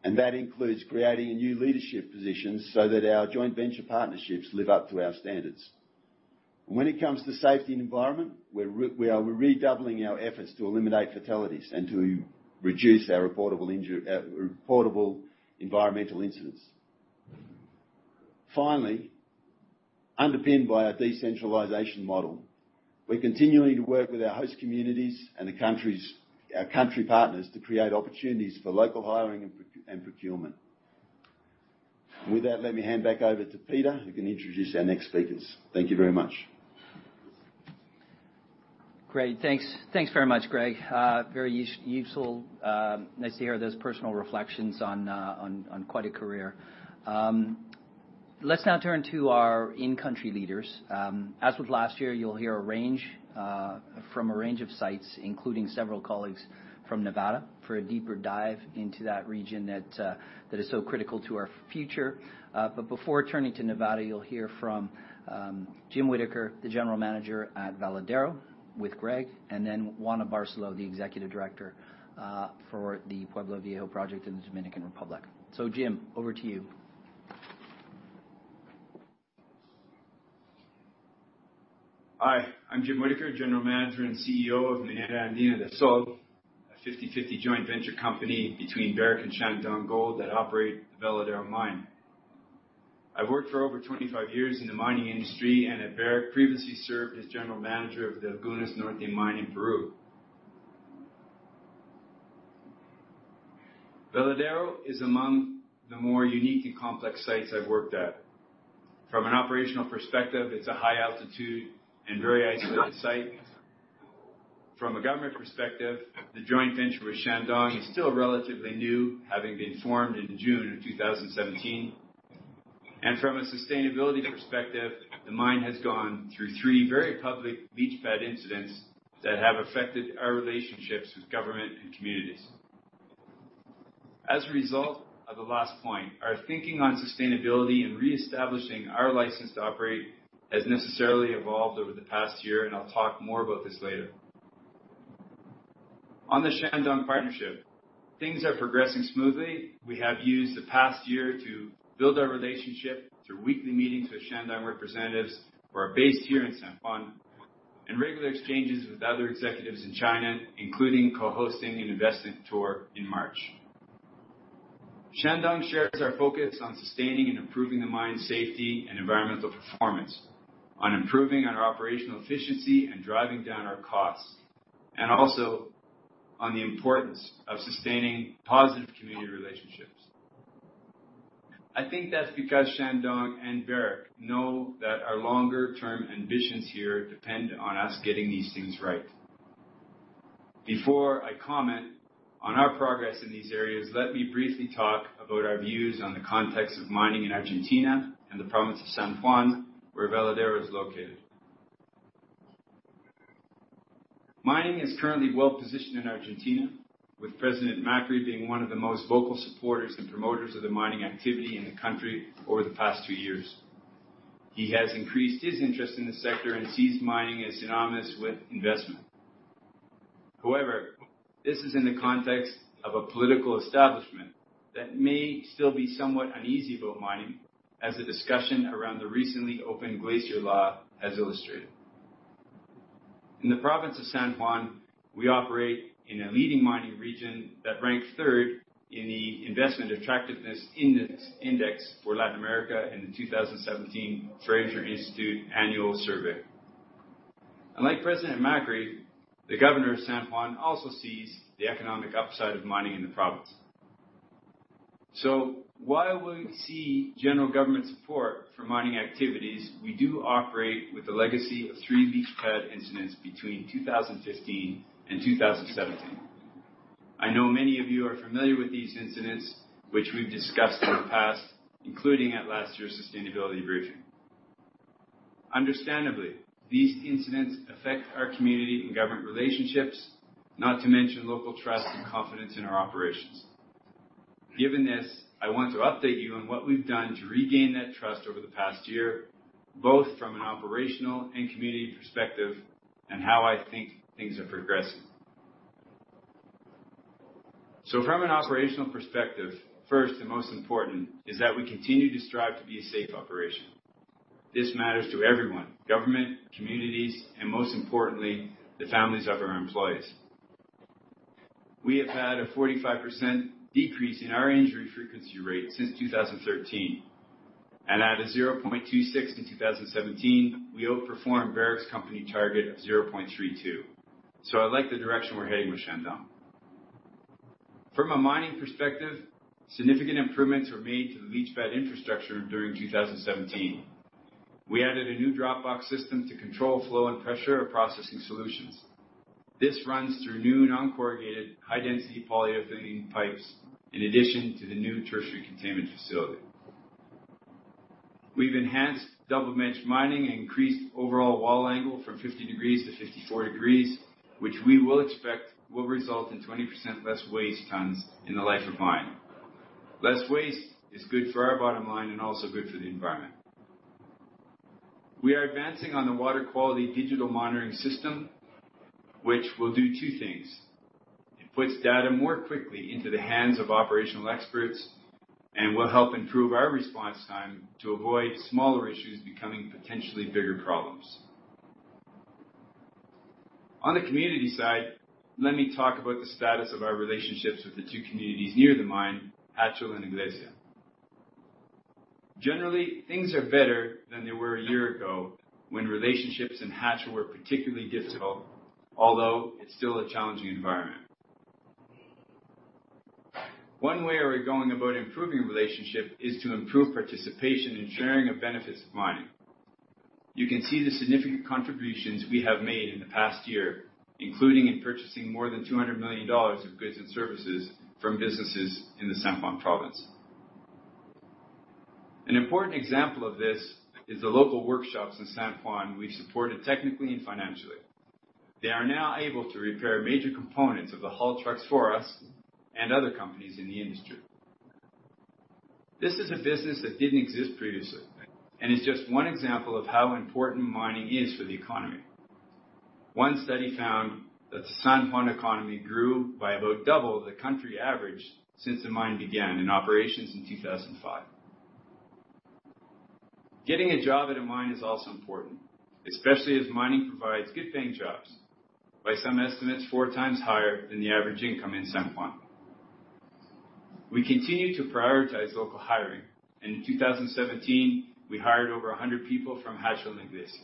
That includes creating new leadership positions so that our joint venture partnerships live up to our standards. When it comes to safety and environment, we're redoubling our efforts to eliminate fatalities and to reduce our reportable environmental incidents. Finally, underpinned by our decentralization model, we're continuing to work with our host communities and our country partners to create opportunities for local hiring and procurement. With that, let me hand back over to Peter, who can introduce our next speakers. Thank you very much. Great. Thanks very much, Greg. Very useful. Nice to hear those personal reflections on quite a career. Let's now turn to our in-country leaders. As with last year, you'll hear from a range of sites, including several colleagues from Nevada, for a deeper dive into that region that is so critical to our future. Before turning to Nevada, you'll hear from James Whittaker, the general manager at Veladero with Greg, and then Juana Barceló, the executive director for the Pueblo Viejo project in the Dominican Republic. Jim, over to you. Hi, I'm Jim Whittaker, general manager and CEO of Minera Andina del Sol, a 50/50 joint venture company between Barrick and Shandong Gold that operate the Veladero mine. I've worked for over 25 years in the mining industry and at Barrick previously served as general manager of the Lagunas Norte mine in Peru. Veladero is among the more unique and complex sites I've worked at. From an operational perspective, it's a high altitude and very isolated site. From a government perspective, the joint venture with Shandong is still relatively new, having been formed in June of 2017. From a sustainability perspective, the mine has gone through three very public leach pad incidents that have affected our relationships with government and communities. As a result of the last point, our thinking on sustainability and reestablishing our license to operate has necessarily evolved over the past year, and I'll talk more about this later. On the Shandong partnership, things are progressing smoothly. We have used the past year to build our relationship through weekly meetings with Shandong representatives who are based here in San Juan, and regular exchanges with other executives in China, including co-hosting an investment tour in March. Shandong shares our focus on sustaining and improving the mine safety and environmental performance, on improving our operational efficiency and driving down our costs, and also on the importance of sustaining positive community relationships. I think that's because Shandong and Barrick know that our longer-term ambitions here depend on us getting these things right. Before I comment on our progress in these areas, let me briefly talk about our views on the context of mining in Argentina and the province of San Juan, where Veladero is located. Mining is currently well-positioned in Argentina, with President Macri being one of the most vocal supporters and promoters of the mining activity in the country over the past two years. He has increased his interest in the sector and sees mining as synonymous with investment. However, this is in the context of a political establishment that may still be somewhat uneasy about mining as the discussion around the recently opened National Glacier Law has illustrated. In the province of San Juan, we operate in a leading mining region that ranks third in the Investment Attractiveness Index for Latin America in the 2017 Fraser Institute annual survey. Like President Macri, the governor of San Juan also sees the economic upside of mining in the province. While we see general government support for mining activities, we do operate with the legacy of three leach pad incidents between 2015 and 2017. I know many of you are familiar with these incidents, which we've discussed in the past, including at last year's sustainability briefing. Understandably, these incidents affect our community and government relationships, not to mention local trust and confidence in our operations. Given this, I want to update you on what we've done to regain that trust over the past year, both from an operational and community perspective, and how I think things are progressing. From an operational perspective, first and most important is that we continue to strive to be a safe operation. This matters to everyone, government, communities, and most importantly, the families of our employees. We have had a 45% decrease in our injury frequency rate since 2013, and at a 0.26 in 2017, we outperformed Barrick's company target of 0.32. I like the direction we're heading with Veladero. From a mining perspective, significant improvements were made to the leach pad infrastructure during 2017. We added a new dropbox system to control flow and pressure of processing solutions. This runs through new non-corrugated high-density polyethylene pipes, in addition to the new tertiary containment facility. We've enhanced double bench mining and increased overall wall angle from 50 degrees to 54 degrees, which we will expect will result in 20% less waste tons in the life of mine. Less waste is good for our bottom line and also good for the environment. We are advancing on the water quality digital monitoring system, which will do two things. It puts data more quickly into the hands of operational experts and will help improve our response time to avoid smaller issues becoming potentially bigger problems. On the community side, let me talk about the status of our relationships with the two communities near the mine, Jáchal and Iglesia. Generally, things are better than they were a year ago when relationships in Jáchal were particularly difficult, although it's still a challenging environment. One way we're going about improving relationship is to improve participation in sharing of benefits of mining. You can see the significant contributions we have made in the past year, including in purchasing more than $200 million of goods and services from businesses in the San Juan province. An important example of this is the local workshops in San Juan we've supported technically and financially. They are now able to repair major components of the haul trucks for us and other companies in the industry. This is a business that didn't exist previously, and is just one example of how important mining is for the economy. One study found that the San Juan economy grew by about double the country average since the mine began in operations in 2005. Getting a job at a mine is also important, especially as mining provides good paying jobs, by some estimates four times higher than the average income in San Juan. We continue to prioritize local hiring, and in 2017, we hired over 100 people from Jáchal and Iglesia.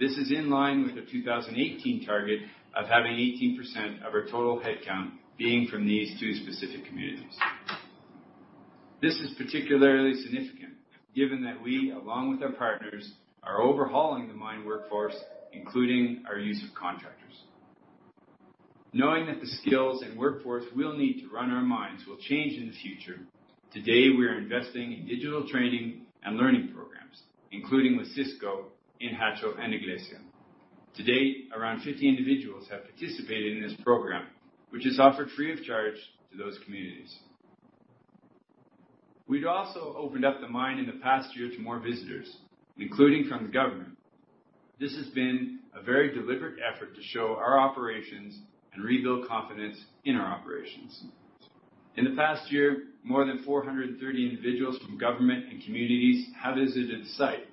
This is in line with the 2018 target of having 18% of our total headcount being from these two specific communities. This is particularly significant given that we, along with our partners, are overhauling the mine workforce, including our use of contractors. Knowing that the skills and workforce we'll need to run our mines will change in the future, today we are investing in digital training and learning programs, including with Cisco in Jáchal and Iglesia. To date, around 50 individuals have participated in this program, which is offered free of charge to those communities. We'd also opened up the mine in the past year to more visitors, including from the government. This has been a very deliberate effort to show our operations and rebuild confidence in our operations. In the past year, more than 430 individuals from government and communities have visited the site.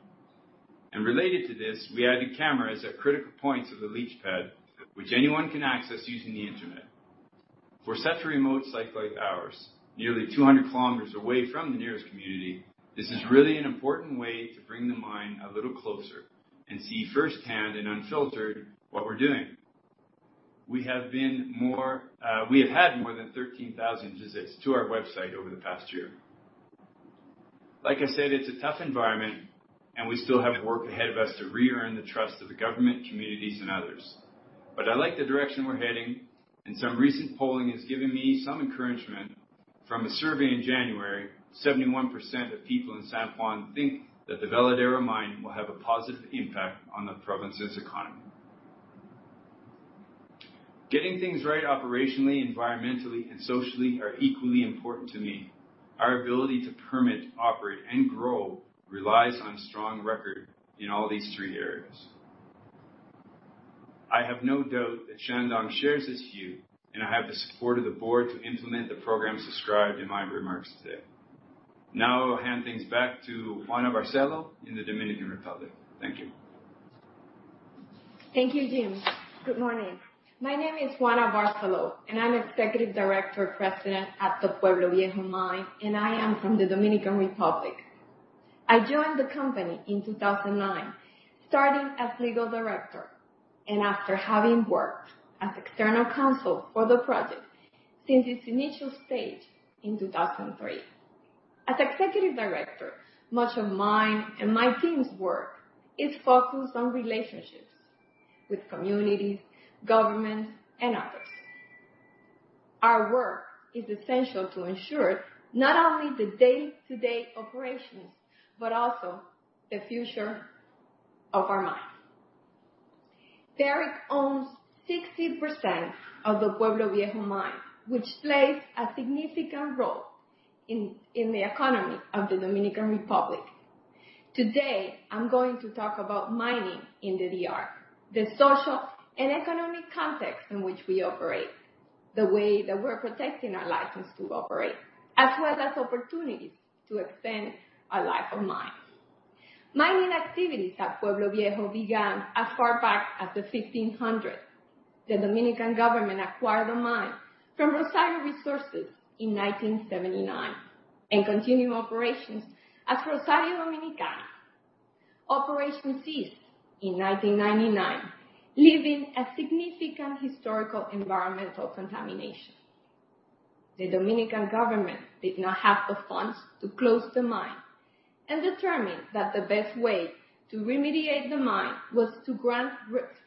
And related to this, we added cameras at critical points of the leach pad, which anyone can access using the internet. For such a remote site like ours, nearly 200 km away from the nearest community, this is really an important way to bring the mine a little closer and see firsthand and unfiltered what we're doing. We have had more than 13,000 visits to our website over the past year. Like I said, it's a tough environment and we still have work ahead of us to reearn the trust of the government, communities, and others. But I like the direction we're heading, and some recent polling has given me some encouragement. From a survey in January, 71% of people in San Juan think that the Veladero mine will have a positive impact on the province's economy. Getting things right operationally, environmentally, and socially are equally important to me. Our ability to permit, operate, and grow relies on strong record in all these three areas. I have no doubt that Shandong shares this view, and I have the support of the board to implement the program subscribed in my remarks today. Now I'll hand things back to Juana Barceló in the Dominican Republic. Thank you. Thank you, Jim. Good morning. My name is Juana Barceló, and I'm Executive Director President at the Pueblo Viejo mine, and I am from the Dominican Republic. I joined the company in 2009, starting as Legal Director, and after having worked as external counsel for the project since its initial stage in 2003. As Executive Director, much of mine and my team's work is focused on relationships with communities, government, and others. Our work is essential to ensure not only the day-to-day operations but also the future of our mine. Barrick owns 60% of the Pueblo Viejo mine, which plays a significant role in the economy of the Dominican Republic. Today, I'm going to talk about mining in the DR, the social and economic context in which we operate, the way that we're protecting our license to operate, as well as opportunities to extend our life of mine. Mining activities at Pueblo Viejo began as far back as the 1500s. The Dominican government acquired the mine from Rosario Resources in 1979 and continued operations as Rosario Dominicana. Operations ceased in 1999, leaving a significant historical environmental contamination. The Dominican government did not have the funds to close the mine and determined that the best way to remediate the mine was to grant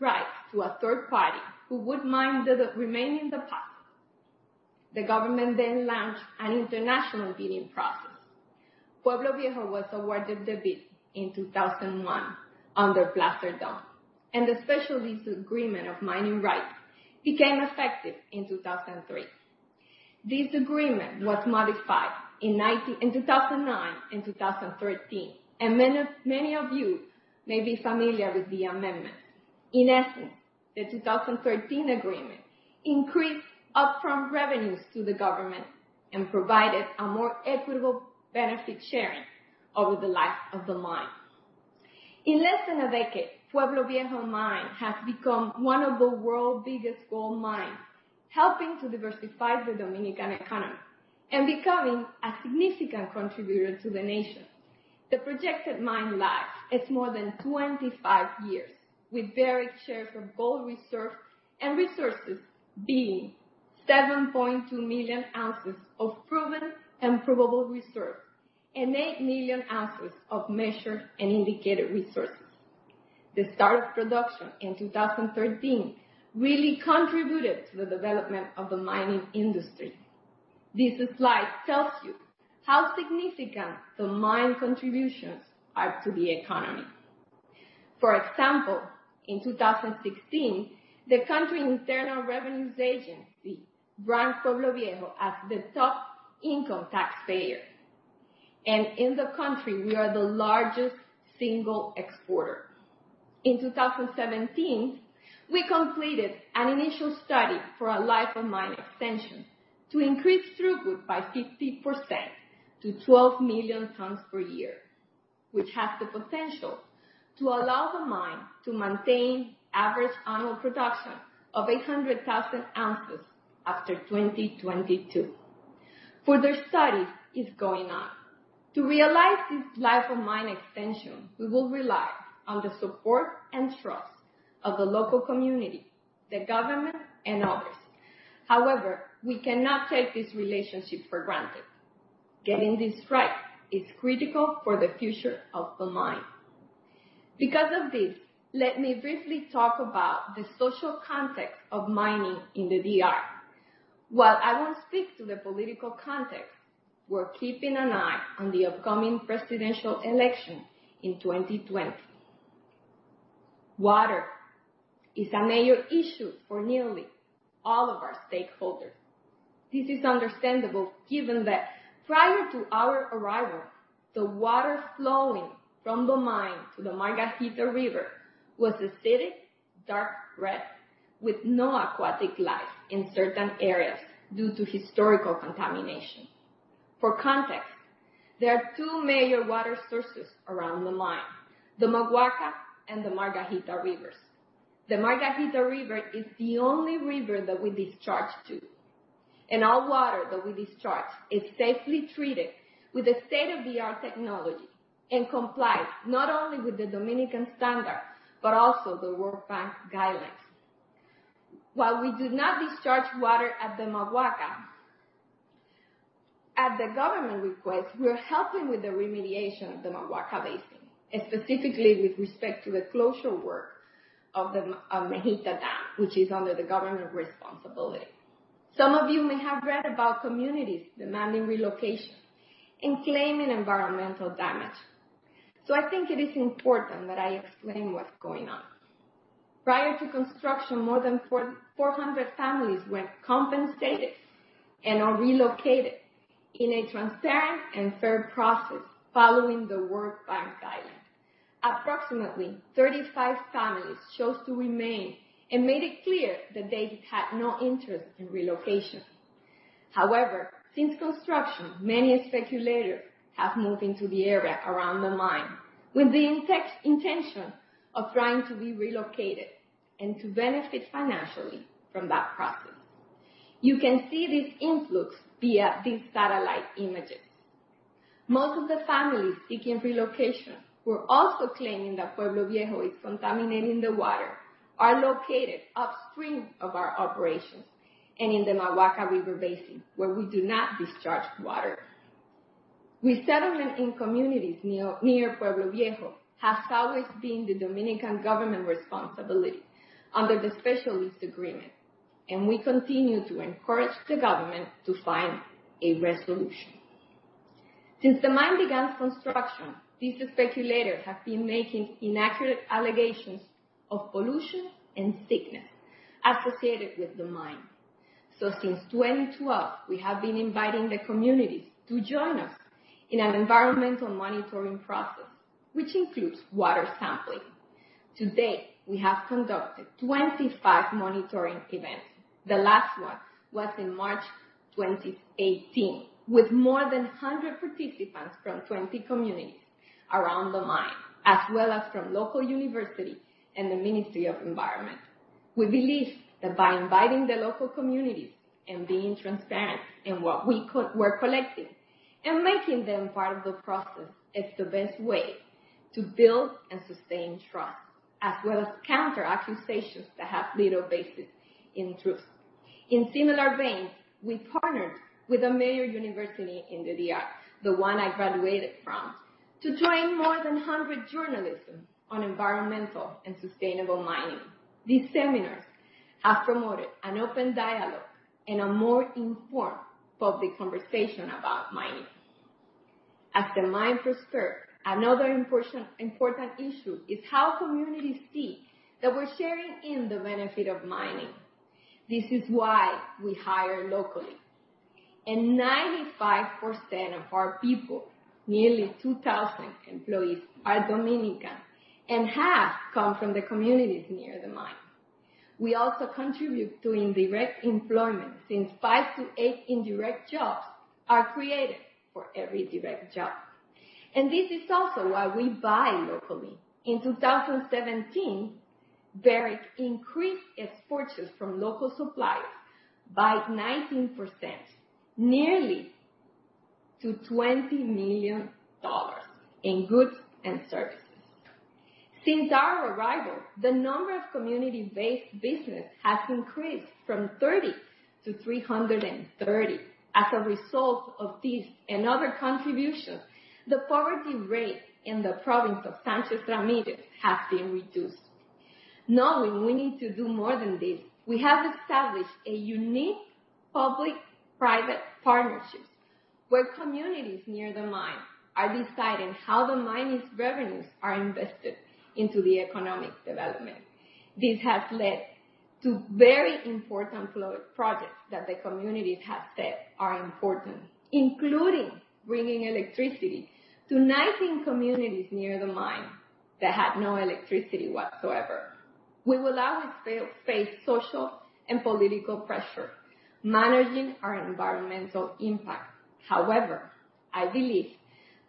rights to a third party who would mine the remaining deposits. The government then launched an international bidding process. Pueblo Viejo was awarded the bid in 2001 under Placer Dome, and the Special Lease Agreement of Mining Rights became effective in 2003. This agreement was modified in 2009 and 2013, and many of you may be familiar with the amendments. In essence, the 2013 agreement increased upfront revenues to the government and provided a more equitable benefit-sharing over the life of the mine. In less than a decade, Pueblo Viejo mine has become one of the world's biggest gold mines, helping to diversify the Dominican economy and becoming a significant contributor to the nation. The projected mine life is more than 25 years, with Barrick's shares of gold reserve and resources being 7.2 million ounces of proven and probable reserves and 8 million ounces of measured and indicated resources. The start of production in 2013 really contributed to the development of the mining industry. This slide tells you how significant the mine contributions are to the economy. For example, in 2016, the Country Internal Revenues Agency ranked Pueblo Viejo as the top income taxpayer, and in the country, we are the largest single exporter. In 2017, we completed an initial study for a life-of-mine extension to increase throughput by 50% to 12 million tons per year, which has the potential to allow the mine to maintain average annual production of 800,000 ounces after 2022. Further study is going on. To realize this life-of-mine extension, we will rely on the support and trust of the local community, the government, and others. However, we cannot take this relationship for granted. Getting this right is critical for the future of the mine. Because of this, let me briefly talk about the social context of mining in the DR. While I won't speak to the political context, we're keeping an eye on the upcoming presidential election in 2020. Water is a major issue for nearly all of our stakeholders. This is understandable given that prior to our arrival, the water flowing from the mine to the Margajita River was acidic, dark red with no aquatic life in certain areas due to historical contamination. For context, there are two major water sources around the mine, the Maguaca and the Margajita Rivers. The Margajita River is the only river that we discharge to. All water that we discharge is safely treated with the state-of-the-art technology and complies not only with the Dominican standards, but also the World Bank guidelines. While we do not discharge water at the Maguaca, at the government request, we're helping with the remediation of the Maguaca Basin, and specifically with respect to the closure work of the Mejita dam, which is under the government responsibility. Some of you may have read about communities demanding relocation and claiming environmental damage. I think it is important that I explain what's going on. Prior to construction, more than 400 families were compensated and are relocated in a transparent and fair process following the World Bank guidelines. Approximately 35 families chose to remain and made it clear that they had no interest in relocation. However, since construction, many speculators have moved into the area around the mine with the intention of trying to be relocated and to benefit financially from that process. You can see this influx via these satellite images. Most of the families seeking relocation who are also claiming that Pueblo Viejo is contaminating the water, are located upstream of our operations and in the Maguaca River basin, where we do not discharge water. Resettlement in communities near Pueblo Viejo has always been the Dominican government responsibility under the Special Lease Agreement, we continue to encourage the government to find a resolution. Since the mine began construction, these speculators have been making inaccurate allegations of pollution and sickness associated with the mine. Since 2012, we have been inviting the communities to join us in our environmental monitoring process, which includes water sampling. To date, we have conducted 25 monitoring events. The last one was in March 2018, with more than 100 participants from 20 communities around the mine, as well as from local university and the Ministry of Environment. We believe that by inviting the local communities and being transparent in what we're collecting and making them part of the process is the best way to build and sustain trust, as well as counter accusations that have little basis in truth. In similar vein, we partnered with a major university in the DR, the one I graduated from, to train more than 100 journalists on environmental and sustainable mining. These seminars have promoted an open dialogue and a more informed public conversation about mining. As the mine prospers, another important issue is how communities see that we're sharing in the benefit of mining. This is why we hire locally, 95% of our people, nearly 2,000 employees, are Dominican and have come from the communities near the mine. We also contribute to indirect employment since five to eight indirect jobs are created for every direct job. This is also why we buy locally. In 2017, Barrick increased its purchase from local suppliers by 19%, nearly to $20 million in goods and services. Since our arrival, the number of community-based business has increased from 30 to 330. As a result of this and other contributions, the poverty rate in the province of Sánchez Ramírez has been reduced. Knowing we need to do more than this, we have established a unique public-private partnership where communities near the mine are deciding how the mine's revenues are invested into the economic development. This has led to very important projects that the communities have said are important, including bringing electricity to 19 communities near the mine that had no electricity whatsoever. We will always face social and political pressure managing our environmental impact. I believe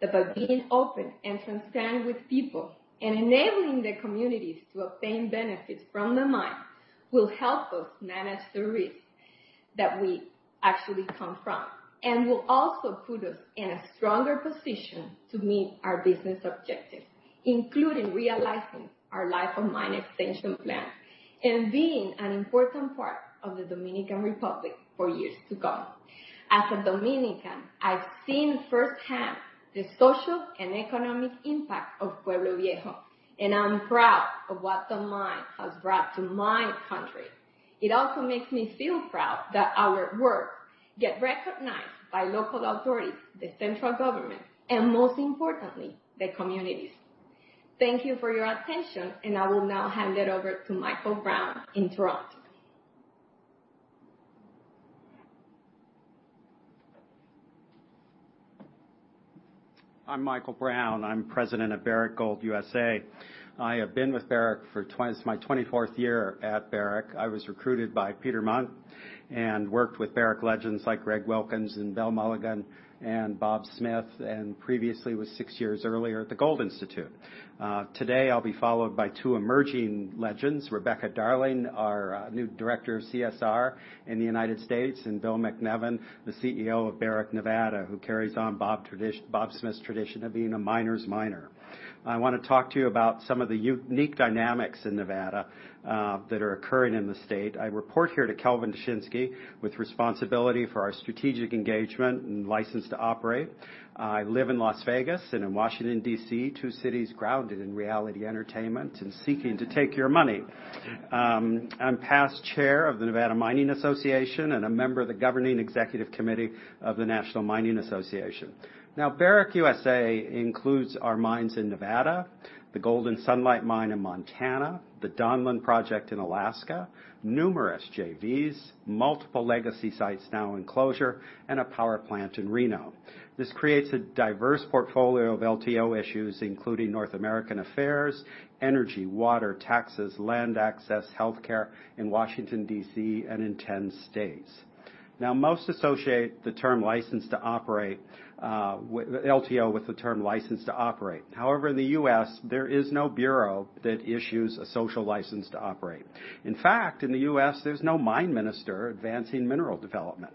that by being open and transparent with people and enabling the communities to obtain benefits from the mine will help us manage the risk that we actually come from and will also put us in a stronger position to meet our business objectives, including realizing our life of mine extension plans and being an important part of the Dominican Republic for years to come. As a Dominican, I've seen firsthand the social and economic impact of Pueblo Viejo, and I'm proud of what the mine has brought to my country. It also makes me feel proud that our work gets recognized by local authorities, the central government, and most importantly, the communities. Thank you for your attention, and I will now hand it over to Michael Brown in Toronto. I'm Michael Brown. I'm president of Barrick Gold USA. I have been with Barrick for It's my 24th year at Barrick. I was recruited by Peter Munk and worked with Barrick legends like Greg Wilkins and Bel Mulligan and Bob Smith, and previously was six years earlier at the Gold Institute. Today, I'll be followed by two emerging legends, Rebecca Darling, our new director of CSR in the United States, and Bill MacNevin, the CEO of Barrick Nevada, who carries on Bob Smith's tradition of being a miner's miner. I want to talk to you about some of the unique dynamics in Nevada that are occurring in the state. I report here to Kelvin Dushnisky with responsibility for our strategic engagement and license to operate. I live in Las Vegas and in Washington, D.C., two cities grounded in reality entertainment and seeking to take your money. I'm past chair of the Nevada Mining Association and a member of the governing executive committee of the National Mining Association. Barrick USA includes our mines in Nevada, the Golden Sunlight Mine in Montana, the Donlin Project in Alaska, numerous JVs, multiple legacy sites now in closure, and a power plant in Reno. This creates a diverse portfolio of LTO issues, including North American affairs, energy, water, taxes, land access, healthcare in Washington, D.C. and in 10 states. Most associate the term license to operate- LTO with the term license to operate. However, in the U.S., there is no bureau that issues a social license to operate. In fact, in the U.S., there's no mine minister advancing mineral development.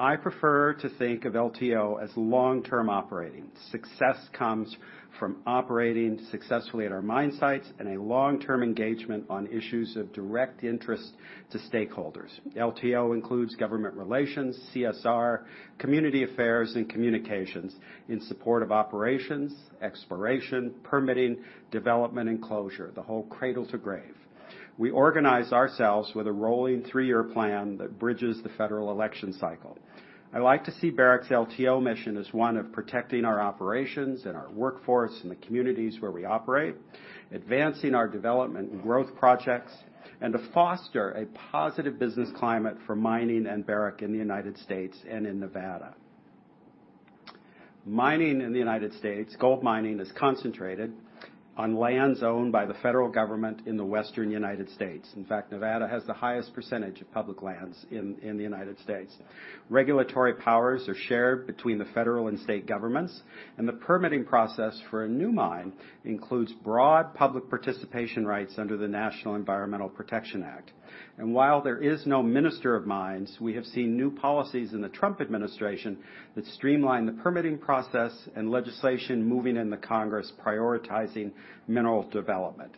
I prefer to think of LTO as long-term operating. Success comes from operating successfully at our mine sites and a long-term engagement on issues of direct interest to stakeholders. LTO includes government relations, CSR, community affairs, and communications in support of operations, exploration, permitting, development, and closure, the whole cradle to grave. We organize ourselves with a rolling 3-year plan that bridges the federal election cycle. I like to see Barrick's LTO mission as one of protecting our operations and our workforce in the communities where we operate, advancing our development and growth projects, and to foster a positive business climate for mining and Barrick in the U.S. and in Nevada. Mining in the U.S., gold mining, is concentrated on lands owned by the federal government in the Western U.S. In fact, Nevada has the highest percentage of public lands in the U.S. Regulatory powers are shared between the federal and state governments. The permitting process for a new mine includes broad public participation rights under the National Environmental Policy Act. While there is no minister of mines, we have seen new policies in the Trump administration that streamline the permitting process and legislation moving in the Congress prioritizing mineral development.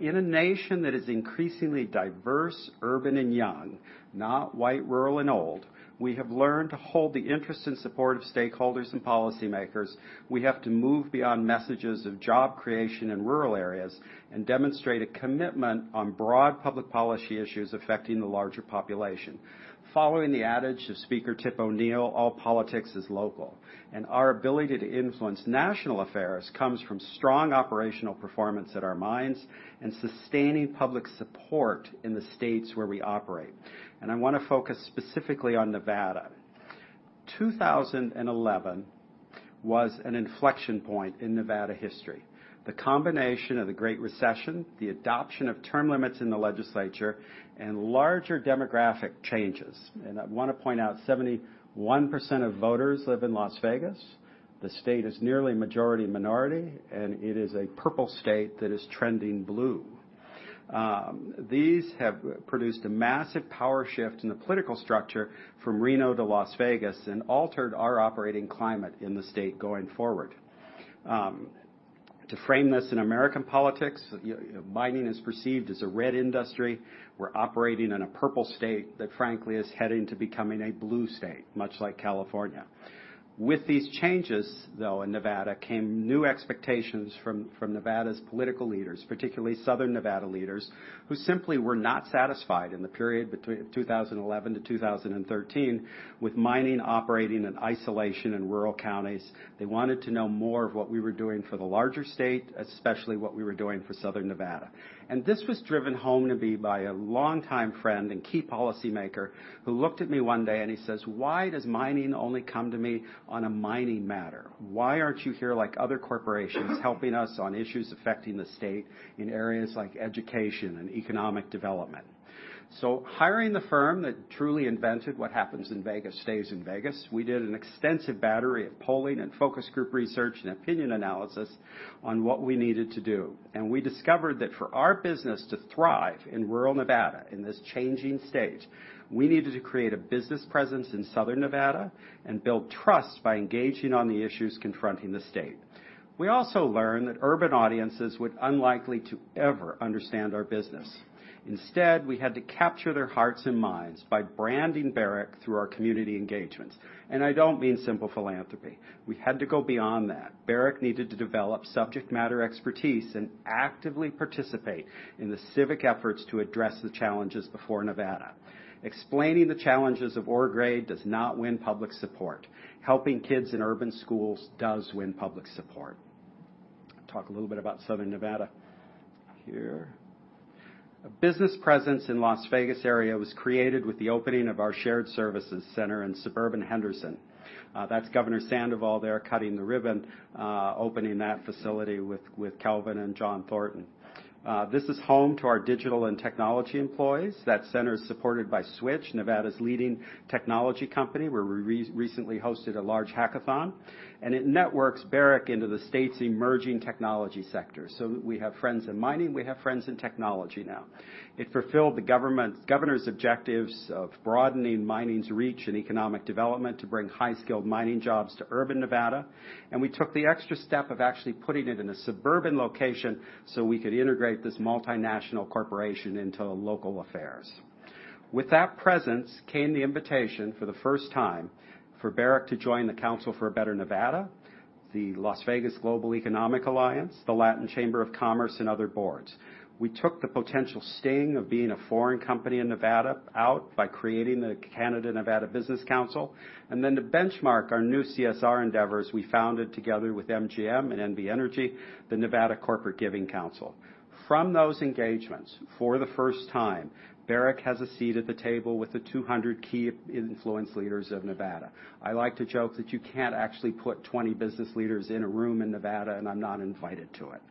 In a nation that is increasingly diverse, urban, and young, not white, rural, and old, we have learned to hold the interest and support of stakeholders and policymakers. We have to move beyond messages of job creation in rural areas and demonstrate a commitment on broad public policy issues affecting the larger population. Following the adage of Speaker Tip O'Neill, all politics is local. Our ability to influence national affairs comes from strong operational performance at our mines and sustaining public support in the states where we operate. I want to focus specifically on Nevada. 2011 was an inflection point in Nevada history. The combination of the Great Recession, the adoption of term limits in the legislature, and larger demographic changes. I want to point out 71% of voters live in Las Vegas. The state is nearly majority minority, and it is a purple state that is trending blue. These have produced a massive power shift in the political structure from Reno to Las Vegas and altered our operating climate in the state going forward. To frame this in American politics, mining is perceived as a red industry. We're operating in a purple state that frankly, is heading to becoming a blue state, much like California. With these changes, though, in Nevada, came new expectations from Nevada's political leaders, particularly Southern Nevada leaders, who simply were not satisfied in the period between 2011 to 2013 with mining operating in isolation in rural counties. They wanted to know more of what we were doing for the larger state, especially what we were doing for Southern Nevada. This was driven home to me by a longtime friend and key policymaker who looked at me one day and he says, "Why does mining only come to me on a mining matter? Why aren't you here like other corporations helping us on issues affecting the state in areas like education and economic development?" Hiring the firm that truly invented what happens in Vegas, stays in Vegas, we did an extensive battery of polling and focus group research and opinion analysis on what we needed to do. We discovered that for our business to thrive in rural Nevada in this changing state, we needed to create a business presence in Southern Nevada and build trust by engaging on the issues confronting the state. We also learned that urban audiences would unlikely to ever understand our business. Instead, we had to capture their hearts and minds by branding Barrick through our community engagements. I don't mean simple philanthropy. We had to go beyond that. Barrick needed to develop subject matter expertise and actively participate in the civic efforts to address the challenges before Nevada. Explaining the challenges of ore grade does not win public support. Helping kids in urban schools does win public support. Talk a little bit about southern Nevada here. A business presence in Las Vegas area was created with the opening of our shared services center in suburban Henderson. That's Governor Sandoval there cutting the ribbon, opening that facility with Kelvin and John Thornton. This is home to our digital and technology employees. That center is supported by Switch, Nevada's leading technology company, where we recently hosted a large hackathon. It networks Barrick into the state's emerging technology sector. We have friends in mining; we have friends in technology now. It fulfilled the Governor's objectives of broadening mining's reach and economic development to bring high-skilled mining jobs to urban Nevada. We took the extra step of actually putting it in a suburban location so we could integrate this multinational corporation into local affairs. With that presence came the invitation for the first time for Barrick to join the Council for a Better Nevada, the Las Vegas Global Economic Alliance, the Latin Chamber of Commerce, and other boards. We took the potential sting of being a foreign company in Nevada out by creating the Canada-Nevada Business Council. To benchmark our new CSR endeavors, we founded together with MGM and NV Energy, the Nevada Corporate Giving Council. From those engagements, for the first time, Barrick has a seat at the table with the 200 key influence leaders of Nevada. I like to joke that you can't actually put 20 business leaders in a room in Nevada, and I'm not invited to it.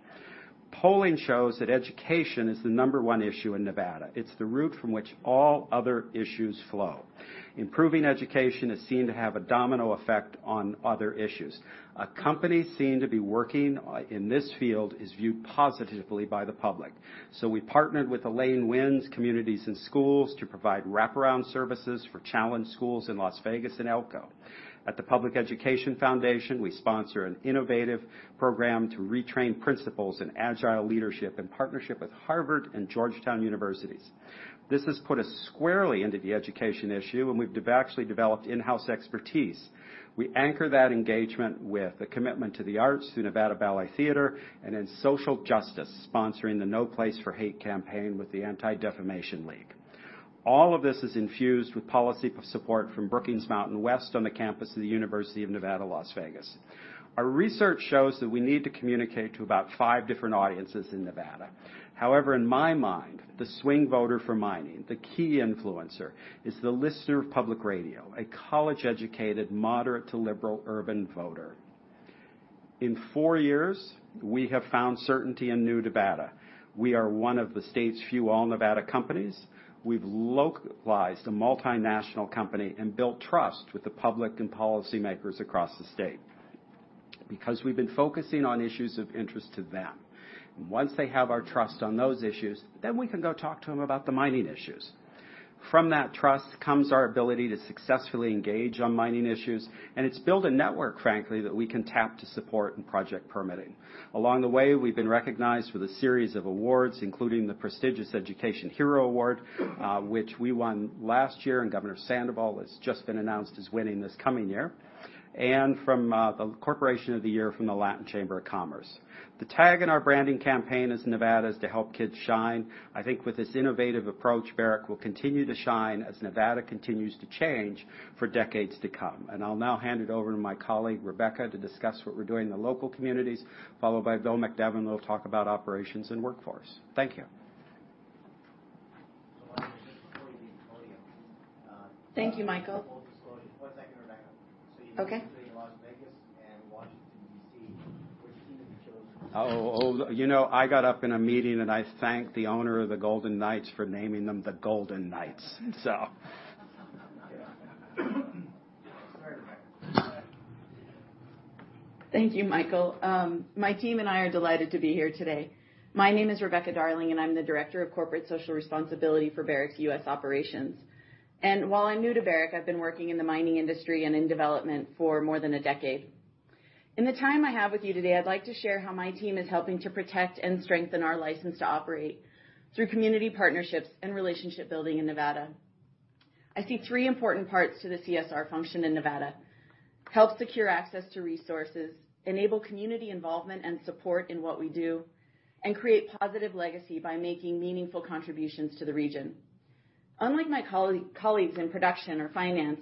Polling shows that education is the number 1 issue in Nevada. It's the root from which all other issues flow. Improving education is seen to have a domino effect on other issues. A company seen to be working in this field is viewed positively by the public. We partnered with Elaine Wynn's Communities In Schools to provide wraparound services for challenged schools in Las Vegas and Elko. At the Public Education Foundation, we sponsor an innovative program to retrain principals in agile leadership in partnership with Harvard and Georgetown Universities. This has put us squarely into the education issue. We've actually developed in-house expertise. We anchor that engagement with a commitment to the arts through Nevada Ballet Theatre and in social justice, sponsoring the No Place for Hate campaign with the Anti-Defamation League. All of this is infused with policy support from Brookings Mountain West on the campus of the University of Nevada, Las Vegas. Our research shows that we need to communicate to about five different audiences in Nevada. However, in my mind, the swing voter for mining, the key influencer, is the listener of public radio, a college-educated, moderate-to-liberal urban voter. In four years, we have found certainty in new Nevada. We are one of the state's few all-Nevada companies. We've localized a multinational company and built trust with the public and policymakers across the state because we've been focusing on issues of interest to them. Once they have our trust on those issues, then we can go talk to them about the mining issues. From that trust comes our ability to successfully engage on mining issues, and it's built a network, frankly, that we can tap to support in project permitting. Along the way, we've been recognized with a series of awards, including the prestigious Education Hero Award, which we won last year, and Governor Sandoval has just been announced as winning this coming year, and the Corporation of the Year from the Latin Chamber of Commerce. The tag in our branding campaign is, "Nevada is to help kids shine." I think with this innovative approach, Barrick will continue to shine as Nevada continues to change for decades to come. I'll now hand it over to my colleague, Rebecca, to discuss what we're doing in the local communities, followed by Bill MacNevin, who will talk about operations and workforce. Thank you. Just before we leave the podium. Thank you, Michael. Full disclosure, one second, Rebecca. Okay. You're based in Las Vegas and Washington, D.C., which team did you choose? Oh, I got up in a meeting, and I thanked the owner of the Golden Knights for naming them the Golden Knights. Sorry, Rebecca. Go ahead. Thank you, Michael. My team and I are delighted to be here today. My name is Rebecca Darling, and I'm the Director of Corporate Social Responsibility for Barrick's U.S. operations. While I'm new to Barrick, I've been working in the mining industry and in development for more than a decade. In the time I have with you today, I'd like to share how my team is helping to protect and strengthen our license to operate through community partnerships and relationship-building in Nevada. I see three important parts to the CSR function in Nevada: help secure access to resources, enable community involvement and support in what we do, and create positive legacy by making meaningful contributions to the region. Unlike my colleagues in production or finance,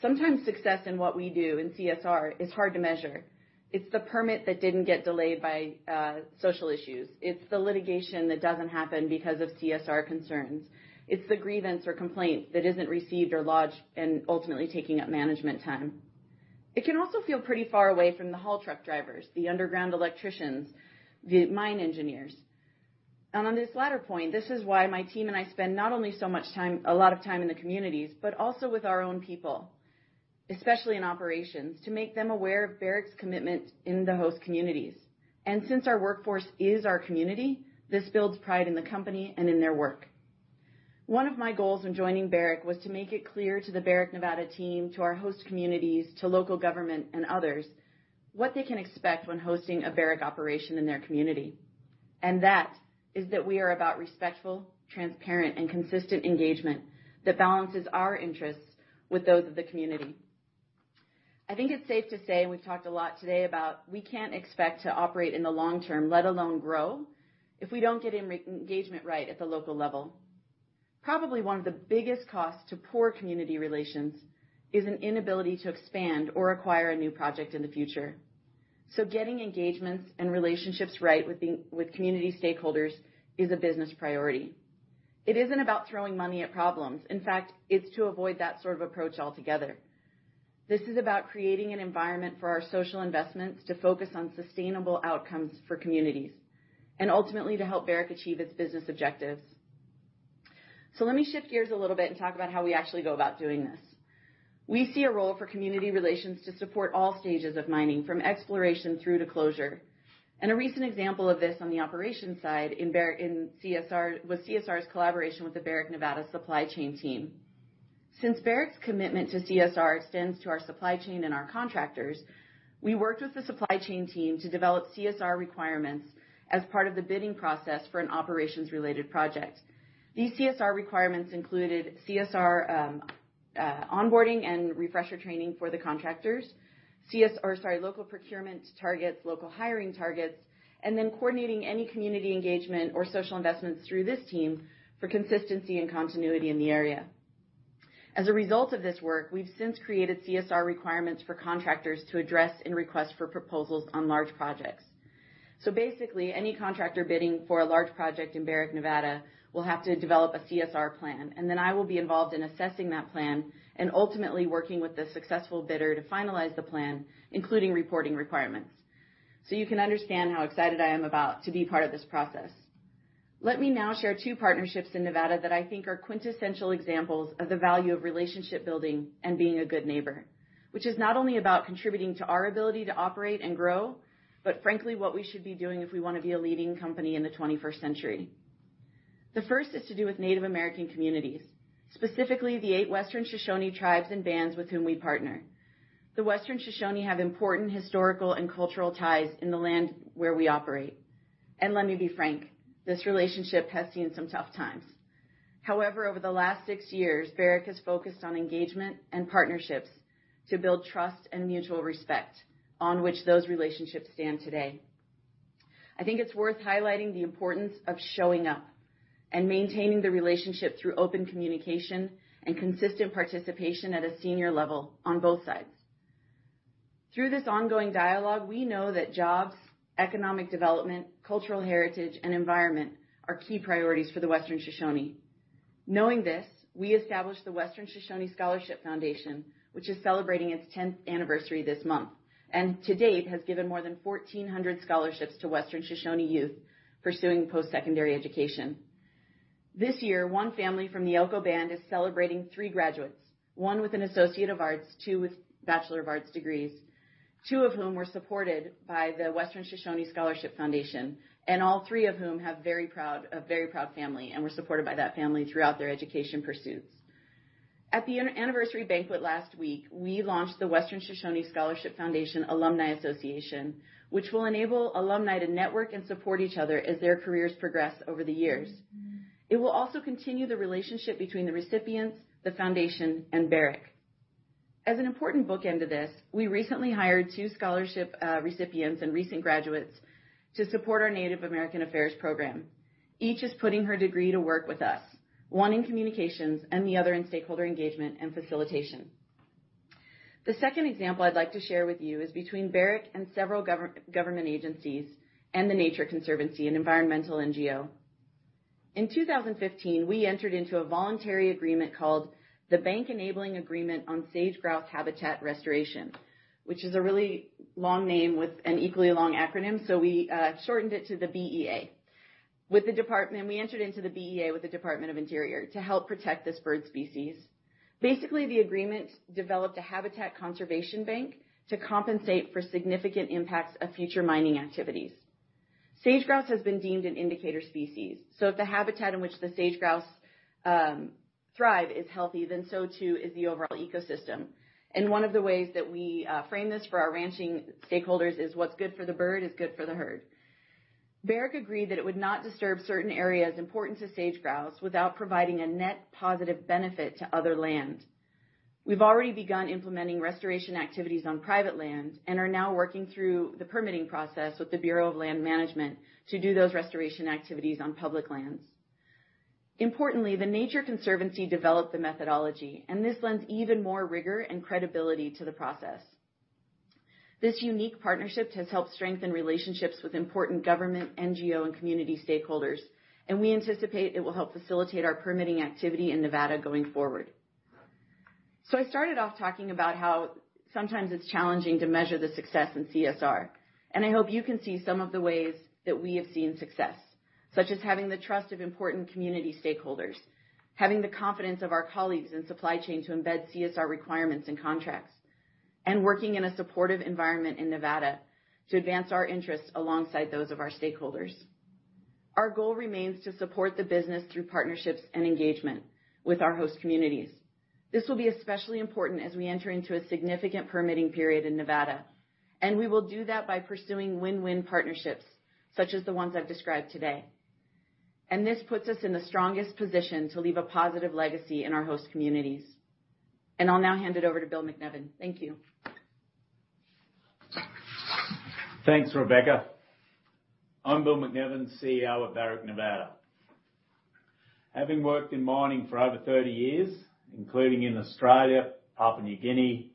sometimes success in what we do in CSR is hard to measure. It's the permit that didn't get delayed by social issues. It's the litigation that doesn't happen because of CSR concerns. It's the grievance or complaint that isn't received or lodged and ultimately taking up management time. It can also feel pretty far away from the haul truck drivers, the underground electricians, the mine engineers. On this latter point, this is why my team and I spend not only a lot of time in the communities, but also with our own people, especially in operations, to make them aware of Barrick's commitment in the host communities. Since our workforce is our community, this builds pride in the company and in their work. One of my goals in joining Barrick was to make it clear to the Barrick Nevada team, to our host communities, to local government and others what they can expect when hosting a Barrick operation in their community. That is that we are about respectful, transparent, and consistent engagement that balances our interests with those of the community. I think it's safe to say, and we've talked a lot today about we can't expect to operate in the long term, let alone grow, if we don't get engagement right at the local level. Probably one of the biggest costs to poor community relations is an inability to expand or acquire a new project in the future. Getting engagements and relationships right with community stakeholders is a business priority. It isn't about throwing money at problems. In fact, it's to avoid that sort of approach altogether. This is about creating an environment for our social investments to focus on sustainable outcomes for communities, and ultimately to help Barrick achieve its business objectives. Let me shift gears a little bit and talk about how we actually go about doing this. We see a role for community relations to support all stages of mining, from exploration through to closure. A recent example of this on the operations side was CSR's collaboration with the Barrick Nevada supply chain team. Since Barrick's commitment to CSR extends to our supply chain and our contractors, we worked with the supply chain team to develop CSR requirements as part of the bidding process for an operations-related project. These CSR requirements included CSR onboarding and refresher training for the contractors, local procurement targets, local hiring targets, coordinating any community engagement or social investments through this team for consistency and continuity in the area. As a result of this work, we've since created CSR requirements for contractors to address and request for proposals on large projects. Basically, any contractor bidding for a large project in Barrick Nevada will have to develop a CSR plan. I will be involved in assessing that plan and ultimately working with the successful bidder to finalize the plan, including reporting requirements. You can understand how excited I am to be part of this process. Let me now share two partnerships in Nevada that I think are quintessential examples of the value of relationship building and being a good neighbor, which is not only about contributing to our ability to operate and grow, but frankly, what we should be doing if we want to be a leading company in the 21st century. The first has to do with Native American communities, specifically the eight Western Shoshone tribes and bands with whom we partner. The Western Shoshone have important historical and cultural ties in the land where we operate. Let me be frank, this relationship has seen some tough times. However, over the last six years, Barrick has focused on engagement and partnerships to build trust and mutual respect on which those relationships stand today. I think it's worth highlighting the importance of showing up and maintaining the relationship through open communication and consistent participation at a senior level on both sides. Through this ongoing dialogue, we know that jobs, economic development, cultural heritage, and environment are key priorities for the Western Shoshone. Knowing this, we established the Western Shoshone Scholarship Foundation, which is celebrating its 10th anniversary this month, and to date has given more than 1,400 scholarships to Western Shoshone youth pursuing post-secondary education. This year, one family from the Yomba Band is celebrating three graduates, one with an Associate of Arts, two with Bachelor of Arts degrees, two of whom were supported by the Western Shoshone Scholarship Foundation. All three of whom have a very proud family and were supported by that family throughout their education pursuits. At the anniversary banquet last week, we launched the Western Shoshone Scholarship Foundation Alumni Association, which will enable alumni to network and support each other as their careers progress over the years. It will also continue the relationship between the recipients, the foundation, and Barrick. As an important bookend to this, we recently hired two scholarship recipients and recent graduates to support our Native American Affairs program. Each is putting her degree to work with us, one in communications and the other in stakeholder engagement and facilitation. The second example I'd like to share with you is between Barrick and several government agencies and The Nature Conservancy, an environmental NGO. In 2015, we entered into a voluntary agreement called the Bank Enabling Agreement on Sage Grouse Habitat Restoration, which is a really long name with an equally long acronym, so we shortened it to the BEA. We entered into the BEA with the Department of the Interior to help protect this bird species. Basically, the agreement developed a habitat conservation bank to compensate for significant impacts of future mining activities. Sage Grouse has been deemed an indicator species, so if the habitat in which the Sage Grouse thrive is healthy, then so too is the overall ecosystem. One of the ways that we frame this for our ranching stakeholders is what's good for the bird is good for the herd. Barrick agreed that it would not disturb certain areas important to Sage Grouse without providing a net positive benefit to other land. We've already begun implementing restoration activities on private land and are now working through the permitting process with the Bureau of Land Management to do those restoration activities on public lands. Importantly, The Nature Conservancy developed the methodology, this lends even more rigor and credibility to the process. This unique partnership has helped strengthen relationships with important government, NGO, and community stakeholders, we anticipate it will help facilitate our permitting activity in Nevada going forward. I started off talking about how sometimes it's challenging to measure the success in CSR, I hope you can see some of the ways that we have seen success, such as having the trust of important community stakeholders, having the confidence of our colleagues in supply chain to embed CSR requirements and contracts, working in a supportive environment in Nevada to advance our interests alongside those of our stakeholders. Our goal remains to support the business through partnerships and engagement with our host communities. This will be especially important as we enter into a significant permitting period in Nevada, we will do that by pursuing win-win partnerships such as the ones I've described today. This puts us in the strongest position to leave a positive legacy in our host communities. I'll now hand it over to Bill MacNevin. Thank you. Thanks, Rebecca. I'm Bill MacNevin, CEO of Barrick Nevada. Having worked in mining for over 30 years, including in Australia, Papua New Guinea,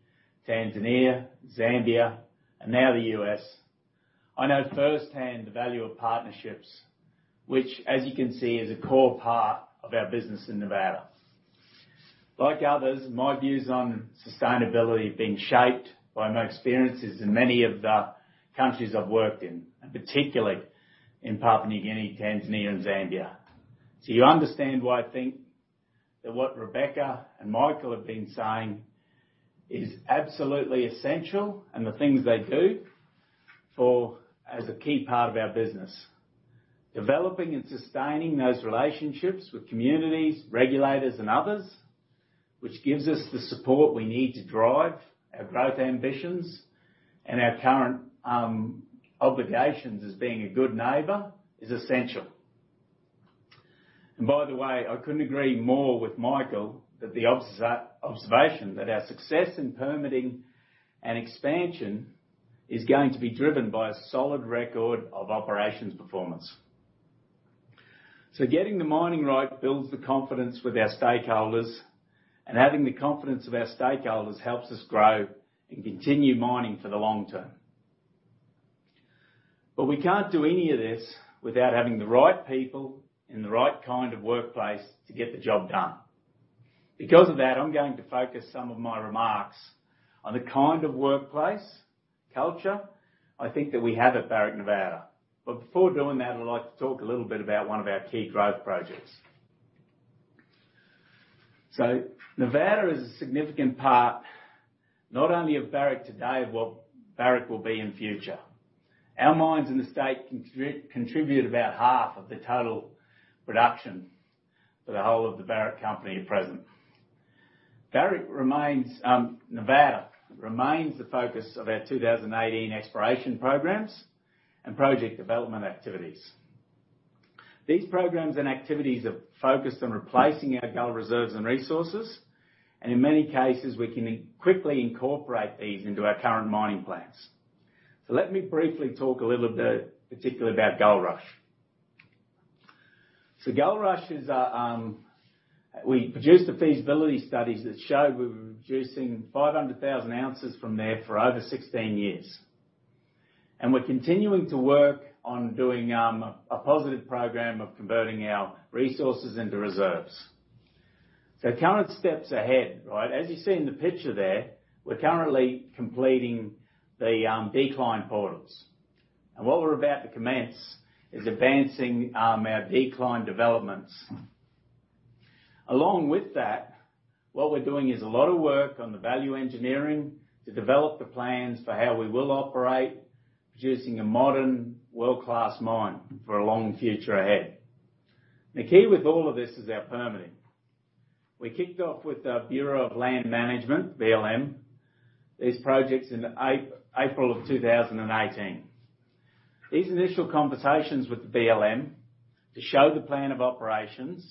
Tanzania, Zambia, and now the U.S., I know firsthand the value of partnerships, which, as you can see, is a core part of our business in Nevada. Like others, my views on sustainability have been shaped by my experiences in many of the countries I've worked in, particularly in Papua New Guinea, Tanzania, and Zambia. You understand why I think that what Rebecca and Michael have been saying is absolutely essential, the things they do as a key part of our business. Developing and sustaining those relationships with communities, regulators, and others, which gives us the support we need to drive our growth ambitions and our current obligations as being a good neighbor, is essential. By the way, I couldn't agree more with Michael that the observation that our success in permitting and expansion is going to be driven by a solid record of operations performance. Getting the mining right builds the confidence with our stakeholders, and having the confidence of our stakeholders helps us grow and continue mining for the long term. We can't do any of this without having the right people and the right kind of workplace to get the job done. Because of that, I'm going to focus some of my remarks on the kind of workplace culture I think that we have at Barrick Nevada. Before doing that, I'd like to talk a little bit about one of our key growth projects. Nevada is a significant part, not only of Barrick today, but what Barrick will be in future. Our mines in the state contribute about half of the total production for the whole of the Barrick company at present. Nevada remains the focus of our 2018 exploration programs and project development activities. These programs and activities are focused on replacing our gold reserves and resources, and in many cases, we can quickly incorporate these into our current mining plans. Let me briefly talk a little bit particularly about Goldrush. Goldrush is a, We produced the feasibility studies that show we were producing 500,000 ounces from there for over 16 years. We're continuing to work on doing a positive program of converting our resources into reserves. Current steps ahead. As you see in the picture there, we're currently completing the decline portals. What we're about to commence is advancing our decline developments. Along with that, what we're doing is a lot of work on the value engineering to develop the plans for how we will operate, producing a modern world-class mine for a long future ahead. The key with all of this is our permitting. We kicked off with the Bureau of Land Management, BLM, these projects in April of 2018. These initial conversations with the BLM to show the plan of operations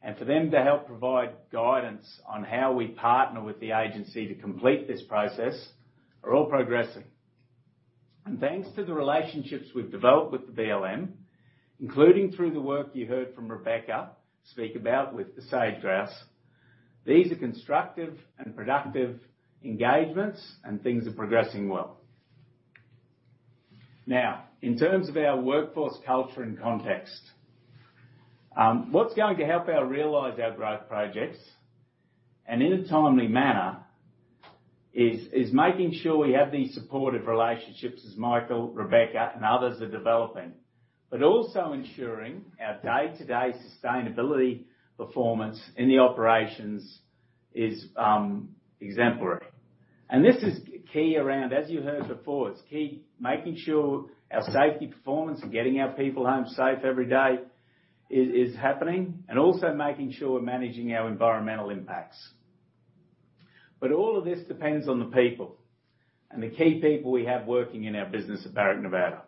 and for them to help provide guidance on how we partner with the agency to complete this process are all progressing. Thanks to the relationships we've developed with the BLM, including through the work you heard from Rebecca speak about with the sage grouse, these are constructive and productive engagements, and things are progressing well. Now, in terms of our workforce culture and context, what's going to help our realize our growth projects, and in a timely manner, is making sure we have these supportive relationships as Michael, Rebecca, and others are developing. Also ensuring our day-to-day sustainability performance in the operations is exemplary. This is key around, as you heard before, it's key, making sure our safety performance and getting our people home safe every day is happening. Also making sure we're managing our environmental impacts. All of this depends on the people and the key people we have working in our business at Barrick Nevada.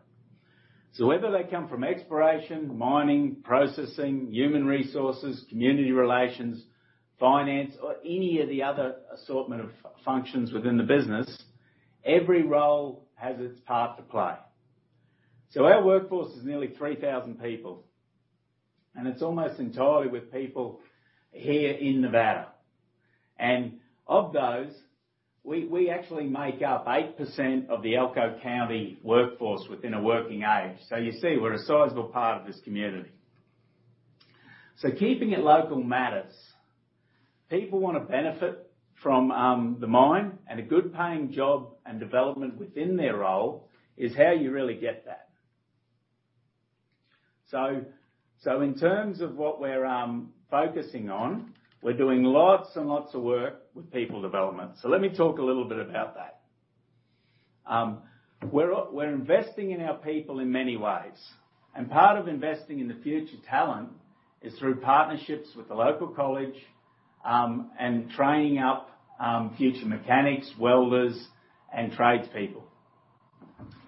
Whether they come from exploration, mining, processing, human resources, community relations, finance, or any of the other assortment of functions within the business, every role has its part to play. Our workforce is nearly 3,000 people, and it's almost entirely with people here in Nevada. Of those, we actually make up 8% of the Elko County workforce within a working age. You see, we're a sizable part of this community. Keeping it local matters. People want to benefit from the mine and a good-paying job and development within their role is how you really get that. In terms of what we're focusing on, we're doing lots and lots of work with people development. Let me talk a little bit about that. We're investing in our people in many ways, and part of investing in the future talent is through partnerships with the local college, and training up future mechanics, welders, and tradespeople.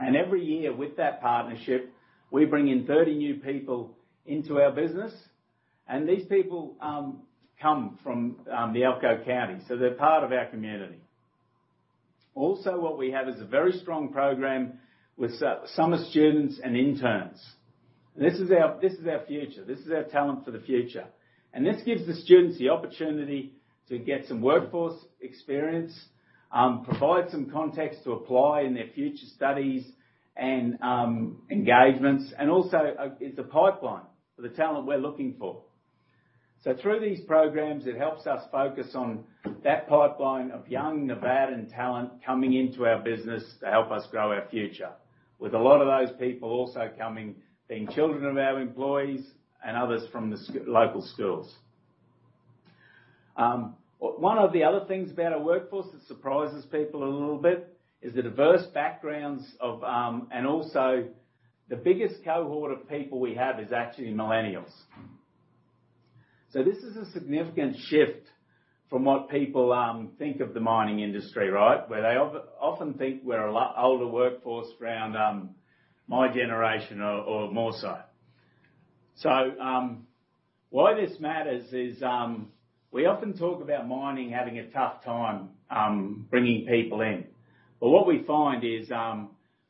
Every year with that partnership, we bring in 30 new people into our business. These people come from the Elko County, they're part of our community. Also what we have is a very strong program with summer students and interns. This is our future. This is our talent for the future. This gives the students the opportunity to get some workforce experience, provide some context to apply in their future studies and engagements, and also, it's a pipeline for the talent we're looking for. Through these programs, it helps us focus on that pipeline of young Nevadan talent coming into our business to help us grow our future. With a lot of those people also coming, being children of our employees and others from the local schools. One of the other things about our workforce that surprises people a little bit is the diverse backgrounds of, and also the biggest cohort of people we have is actually millennials. This is a significant shift from what people think of the mining industry, right? Where they often think we're a lot older workforce around my generation or more so. Why this matters is, we often talk about mining having a tough time bringing people in. What we find is,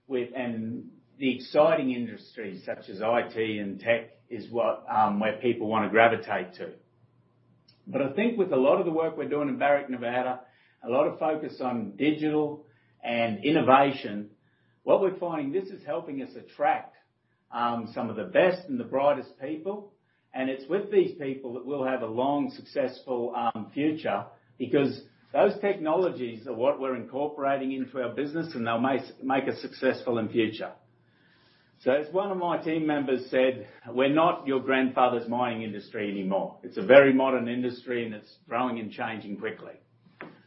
with the exciting industries such as IT and tech is where people want to gravitate to. I think with a lot of the work we're doing in Barrick Nevada, a lot of focus on digital and innovation. What we're finding, this is helping us attract some of the best and the brightest people, and it's with these people that we'll have a long, successful future, because those technologies are what we're incorporating into our business, and they'll make us successful in future. As one of my team members said, we're not your grandfather's mining industry anymore. It's a very modern industry, and it's growing and changing quickly.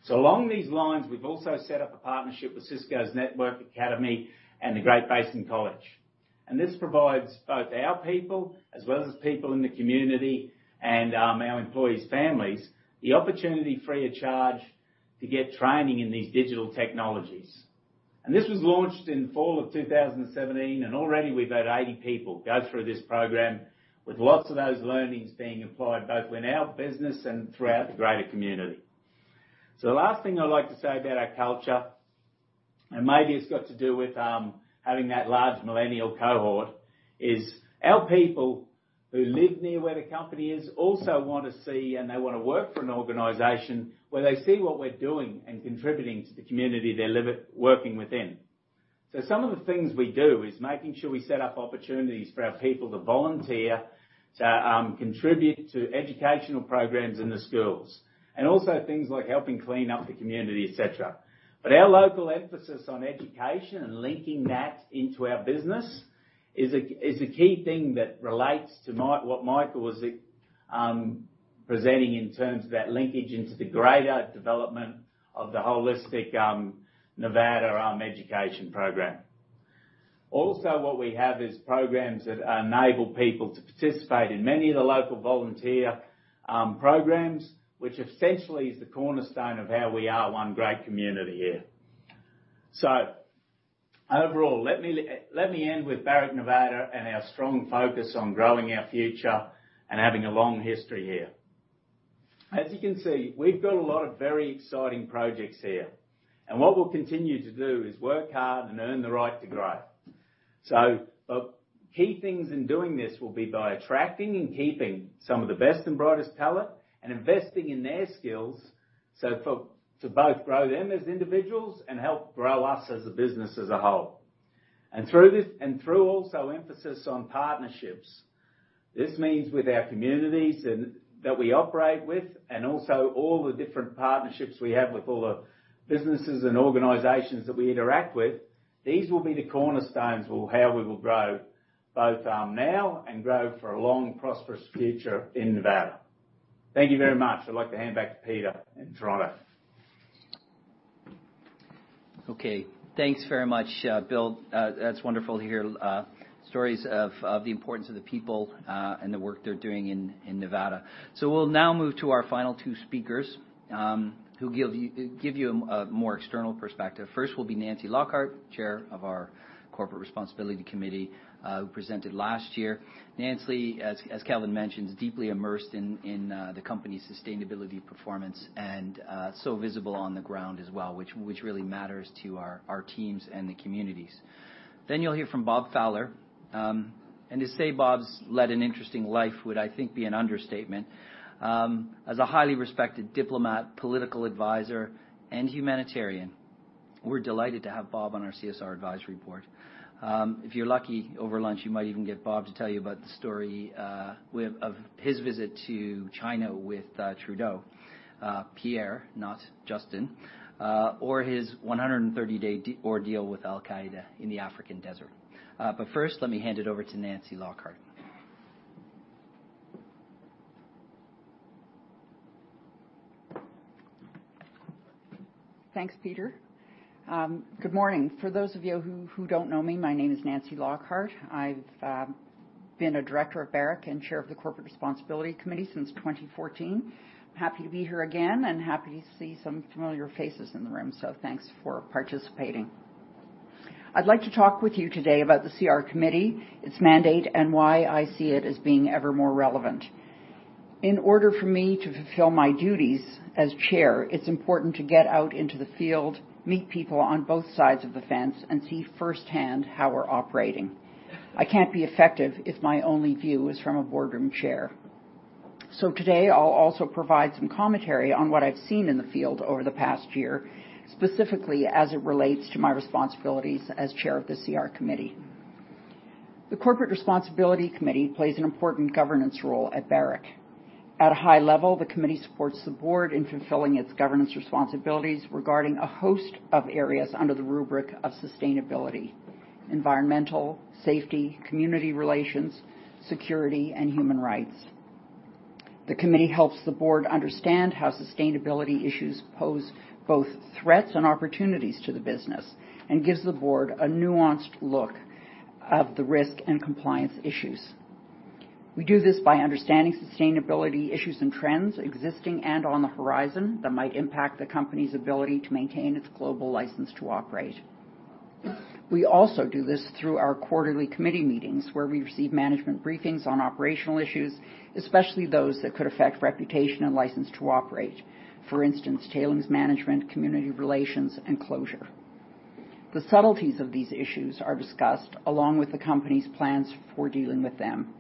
Along these lines, we've also set up a partnership with Cisco's Networking Academy and the Great Basin College. This provides both our people as well as people in the community and our employees' families, the opportunity free of charge to get training in these digital technologies. This was launched in fall of 2017, and already we've had 80 people go through this program with lots of those learnings being applied both within our business and throughout the greater community. The last thing I'd like to say about our culture, maybe it's got to do with having that large millennial cohort, is our people who live near where the company is also want to see and they want to work for an organization where they see what we're doing and contributing to the community they're working within. Some of the things we do is making sure we set up opportunities for our people to volunteer, to contribute to educational programs in the schools, and also things like helping clean up the community, et cetera. Our local emphasis on education and linking that into our business is the key thing that relates to what Michael was presenting in terms of that linkage into the greater development of the holistic Nevada education program. Also, what we have is programs that enable people to participate in many of the local volunteer programs, which essentially is the cornerstone of how we are one great community here. Overall, let me end with Barrick Nevada and our strong focus on growing our future and having a long history here. As you can see, we've got a lot of very exciting projects here. What we'll continue to do is work hard and earn the right to grow. The key things in doing this will be by attracting and keeping some of the best and brightest talent and investing in their skills, to both grow them as individuals and help grow us as a business as a whole. Through also emphasis on partnerships. This means with our communities that we operate with and also all the different partnerships we have with all the businesses and organizations that we interact with. These will be the cornerstones how we will grow both now and grow for a long, prosperous future in Nevada. Thank you very much. I'd like to hand back to Peter in Toronto. Okay. Thanks very much, Bill. That's wonderful to hear stories of the importance of the people and the work they're doing in Nevada. We'll now move to our final two speakers, who give you a more external perspective. First will be Nancy Lockhart, Chair of our Corporate Responsibility Committee, who presented last year. Nancy, as Kelvin mentioned, is deeply immersed in the company's sustainability performance and so visible on the ground as well, which really matters to our teams and the communities. Then you'll hear from Bob Fowler. To say Bob's led an interesting life would, I think, be an understatement. As a highly respected diplomat, political advisor, and humanitarian, we're delighted to have Bob on our Corporate Social Responsibility Advisory Board. If you're lucky, over lunch, you might even get Bob to tell you about the story of his visit to China with Trudeau, Pierre, not Justin, or his 130-day ordeal with Al-Qaeda in the African desert. First, let me hand it over to Nancy Lockhart. Thanks, Peter. Good morning. For those of you who don't know me, my name is Nancy Lockhart. I've been a director at Barrick and chair of the Corporate Responsibility Committee since 2014. I'm happy to be here again and happy to see some familiar faces in the room, thanks for participating. I'd like to talk with you today about the CR Committee, its mandate, and why I see it as being ever more relevant. In order for me to fulfill my duties as chair, it's important to get out into the field, meet people on both sides of the fence, and see firsthand how we're operating. I can't be effective if my only view is from a boardroom chair. Today, I'll also provide some commentary on what I've seen in the field over the past year, specifically as it relates to my responsibilities as chair of the CR Committee. The Corporate Responsibility Committee plays an important governance role at Barrick. At a high level, the committee supports the board in fulfilling its governance responsibilities regarding a host of areas under the rubric of sustainability, environmental, safety, community relations, security, and human rights. The committee helps the board understand how sustainability issues pose both threats and opportunities to the business and gives the board a nuanced look of the risk and compliance issues. We do this by understanding sustainability issues and trends existing and on the horizon that might impact the company's ability to maintain its global license to operate. We also do this through our quarterly committee meetings where we receive management briefings on operational issues, especially those that could affect reputation and license to operate. For instance, tailings management, community relations, and closure. The subtleties of these issues are discussed along with the company's plans for dealing with them.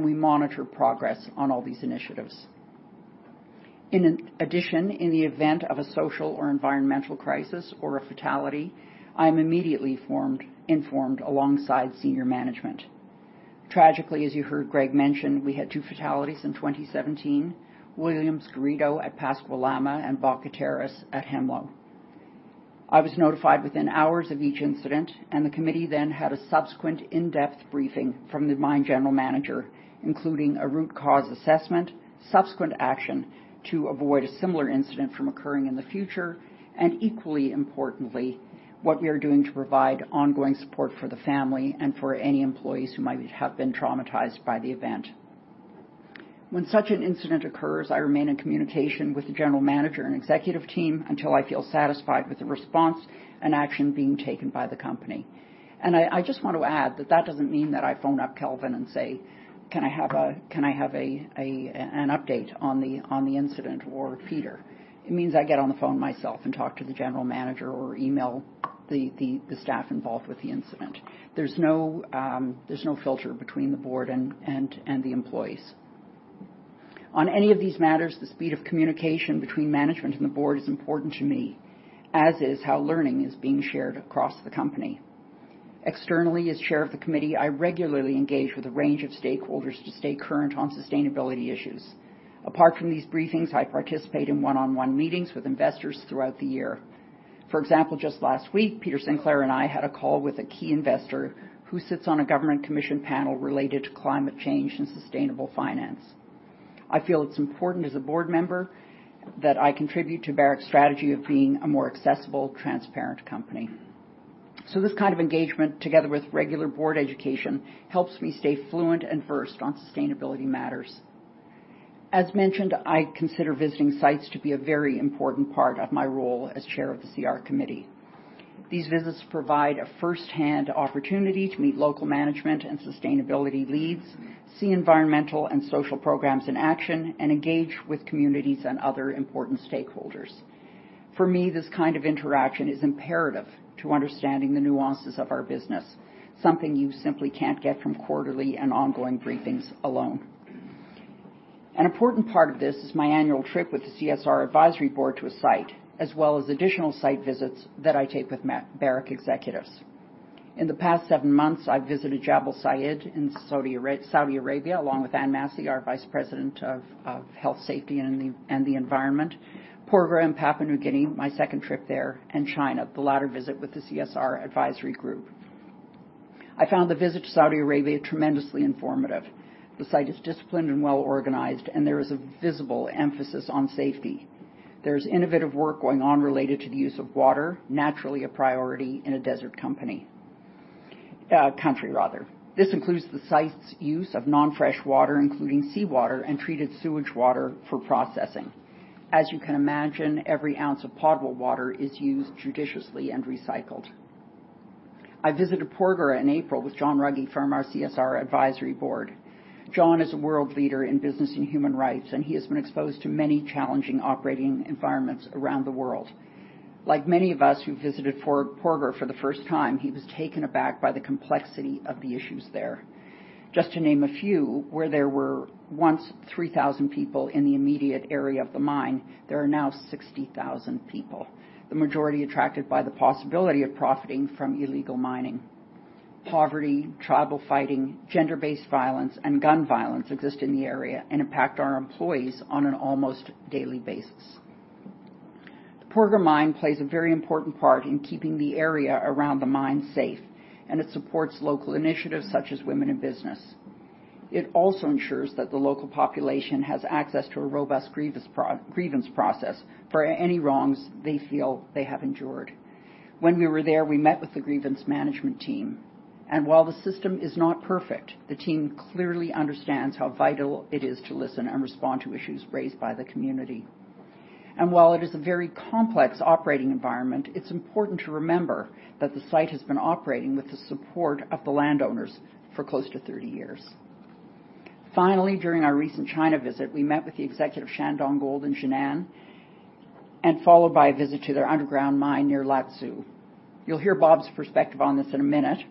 We monitor progress on all these initiatives. In addition, in the event of a social or environmental crisis or a fatality, I am immediately informed alongside senior management. Tragically, as you heard Greg mention, we had two fatalities in 2017, William Garrido at Pascua Lama and Eulogio Gutierrez at Hemlo. I was notified within hours of each incident, the committee then had a subsequent in-depth briefing from the mine General Manager, including a root cause assessment, subsequent action to avoid a similar incident from occurring in the future, and equally importantly, what we are doing to provide ongoing support for the family and for any employees who might have been traumatized by the event. When such an incident occurs, I remain in communication with the General Manager and executive team until I feel satisfied with the response and action being taken by the company. I just want to add that doesn't mean that I phone up Kelvin and say, "Can I have an update on the incident or further?" It means I get on the phone myself and talk to the General Manager or email the staff involved with the incident. There's no filter between the board and the employees. On any of these matters, the speed of communication between management and the board is important to me, as is how learning is being shared across the company. Externally, as chair of the committee, I regularly engage with a range of stakeholders to stay current on sustainability issues. Apart from these briefings, I participate in one-on-one meetings with investors throughout the year. For example, just last week, Peter Sinclair and I had a call with a key investor who sits on a government commission panel related to climate change and sustainable finance. I feel it's important as a board member that I contribute to Barrick's strategy of being a more accessible, transparent company. This kind of engagement, together with regular board education, helps me stay fluent and versed on sustainability matters. As mentioned, I consider visiting sites to be a very important part of my role as chair of the CR committee. These visits provide a firsthand opportunity to meet local management and sustainability leads, see environmental and social programs in action, and engage with communities and other important stakeholders. For me, this kind of interaction is imperative to understanding the nuances of our business, something you simply can't get from quarterly and ongoing briefings alone. An important part of this is my annual trip with the CSR advisory board to a site, as well as additional site visits that I take with Barrick executives. In the past seven months, I've visited Jabal Sayid in Saudi Arabia, along with Anne Massey, our Vice President of Health, Safety, and the Environment; Porgera in Papua New Guinea, my second trip there; and China, the latter visit with the CSR advisory group. I found the visit to Saudi Arabia tremendously informative. The site is disciplined and well-organized, and there is a visible emphasis on safety. There's innovative work going on related to the use of water, naturally a priority in a desert country, rather. This includes the site's use of non-fresh water, including seawater and treated sewage water for processing. As you can imagine, every ounce of potable water is used judiciously and recycled. I visited Porgera in April with John Ruggie from our CSR advisory board. John is a world leader in business and human rights, and he has been exposed to many challenging operating environments around the world. Like many of us who visited Porgera for the first time, he was taken aback by the complexity of the issues there. Just to name a few, where there were once 3,000 people in the immediate area of the mine, there are now 60,000 people, the majority attracted by the possibility of profiting from illegal mining. Poverty, tribal fighting, gender-based violence, and gun violence exist in the area and impact our employees on an almost daily basis. The Porgera mine plays a very important part in keeping the area around the mine safe, and it supports local initiatives such as Women in Business. It also ensures that the local population has access to a robust grievance process for any wrongs they feel they have endured. When we were there, we met with the grievance management team, while the system is not perfect, the team clearly understands how vital it is to listen and respond to issues raised by the community. While it is a very complex operating environment, it's important to remember that the site has been operating with the support of the landowners for close to 30 years. Finally, during our recent China visit, we met with the executive Shandong Gold in Jinan, followed by a visit to their underground mine near Laizhou. You'll hear Bob's perspective on this in a minute,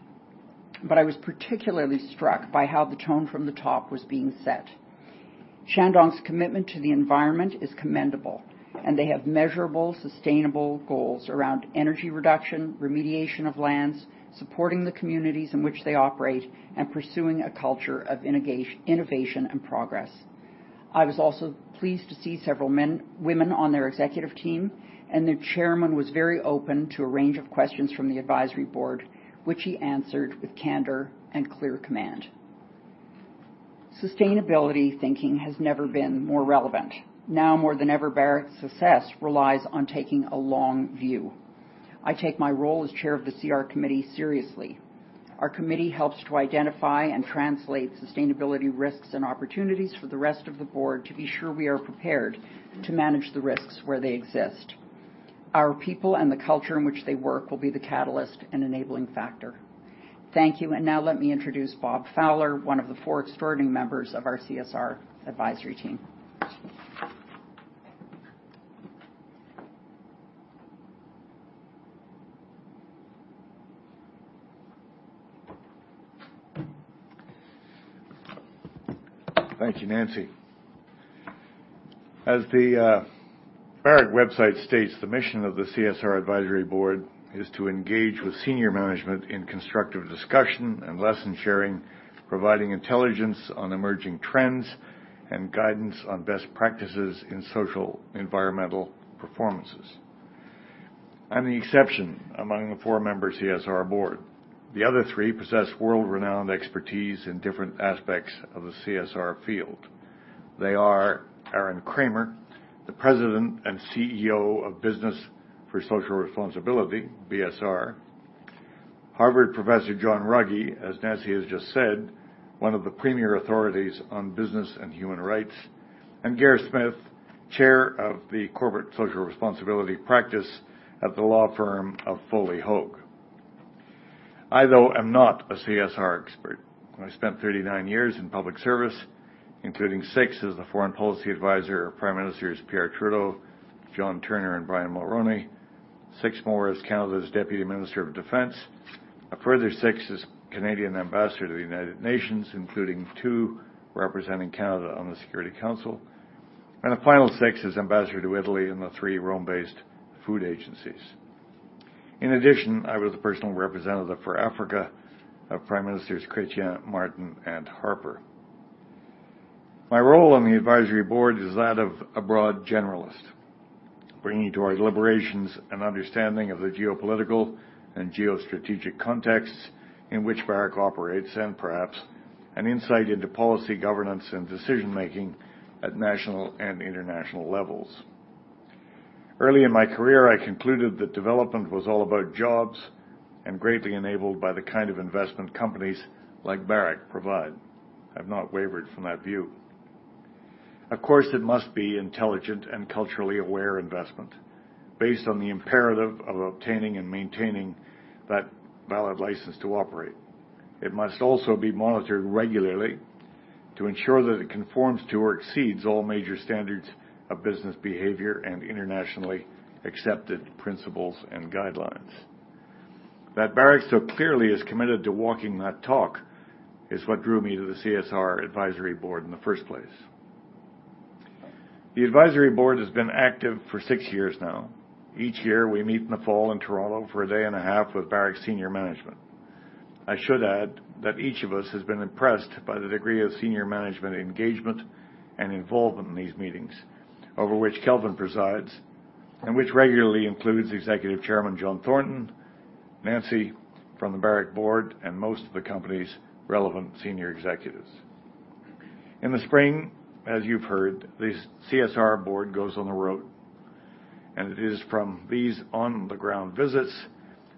but I was particularly struck by how the tone from the top was being set. Shandong's commitment to the environment is commendable, and they have measurable, sustainable goals around energy reduction, remediation of lands, supporting the communities in which they operate, and pursuing a culture of innovation and progress. I was also pleased to see several women on their executive team, and their chairman was very open to a range of questions from the Advisory Board, which he answered with candor and clear command. Sustainability thinking has never been more relevant. Now more than ever, Barrick's success relies on taking a long view. I take my role as chair of the CR Committee seriously. Our committee helps to identify and translate sustainability risks and opportunities for the rest of the board to be sure we are prepared to manage the risks where they exist. Our people and the culture in which they work will be the catalyst and enabling factor. Thank you. Now let me introduce Bob Fowler, one of the four extraordinary members of our CSR Advisory Board. Thank you, Nancy. As the Barrick website states, the mission of the CSR Advisory Board is to engage with senior management in constructive discussion and lesson sharing, providing intelligence on emerging trends and guidance on best practices in social environmental performances. I'm the exception among the four-member CSR Advisory Board. The other three possess world-renowned expertise in different aspects of the CSR field. They are Aron Cramer, the president and CEO of Business for Social Responsibility, BSR; Harvard Professor John Ruggie, as Nancy has just said, one of the premier authorities on business and human rights; and Gare Smith, chair of the corporate social responsibility practice at the law firm of Foley Hoag. I, though, am not a CSR expert. I spent 39 years in public service, including six as the foreign policy advisor of Prime Ministers Pierre Trudeau, John Turner, and Brian Mulroney, six more as Canada's deputy minister of defense, a further six as Canadian ambassador to the United Nations, including two representing Canada on the Security Council, and a final six as ambassador to Italy and the three Rome-based food agencies. In addition, I was the personal representative for Africa of Prime Ministers Chretien, Martin, and Harper. My role on the advisory board is that of a broad generalist, bringing to our deliberations an understanding of the geopolitical and geostrategic contexts in which Barrick operates and perhaps an insight into policy governance and decision-making at national and international levels. Early in my career, I concluded that development was all about jobs and greatly enabled by the kind of investment companies like Barrick provide. I've not wavered from that view. Of course, it must be intelligent and culturally aware investment based on the imperative of obtaining and maintaining that valid license to operate. It must also be monitored regularly to ensure that it conforms to or exceeds all major standards of business behavior and internationally accepted principles and guidelines. That Barrick so clearly is committed to walking that talk is what drew me to the CSR Advisory Board in the first place. The advisory board has been active for six years now. Each year, we meet in the fall in Toronto for a day and a half with Barrick senior management. I should add that each of us has been impressed by the degree of senior management engagement and involvement in these meetings, over which Kelvin presides and which regularly includes Executive Chairman John Thornton, Nancy from the Barrick board, and most of the company's relevant senior executives. In the spring, as you've heard, the CSR board goes on the road, and it is from these on-the-ground visits,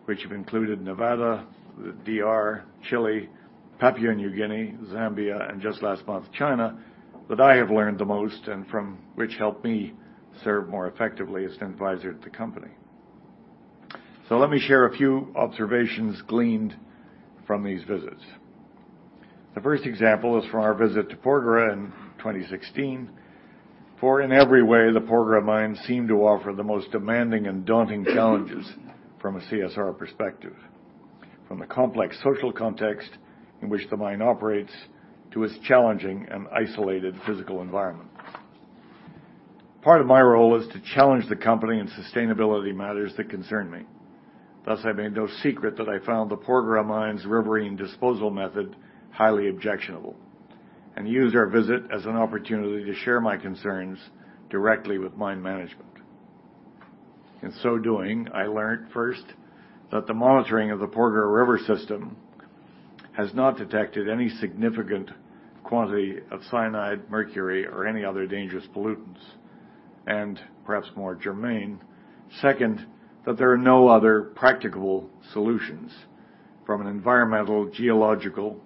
which have included Nevada, the DR, Chile, Papua New Guinea, Zambia, and just last month, China, that I have learned the most and from which helped me serve more effectively as an advisor to the company. Let me share a few observations gleaned from these visits. The first example is from our visit to Porgera in 2016. In every way, the Porgera mine seemed to offer the most demanding and daunting challenges from a CSR perspective, from the complex social context in which the mine operates to its challenging and isolated physical environment. Part of my role is to challenge the company in sustainability matters that concern me. Thus, I made no secret that I found the Porgera mine's riverine disposal method highly objectionable and used our visit as an opportunity to share my concerns directly with mine management. In so doing, I learned, first, that the monitoring of the Porgera River system has not detected any significant quantity of cyanide, mercury, or any other dangerous pollutants, and perhaps more germane, second, that there are no other practical solutions from an environmental, geological,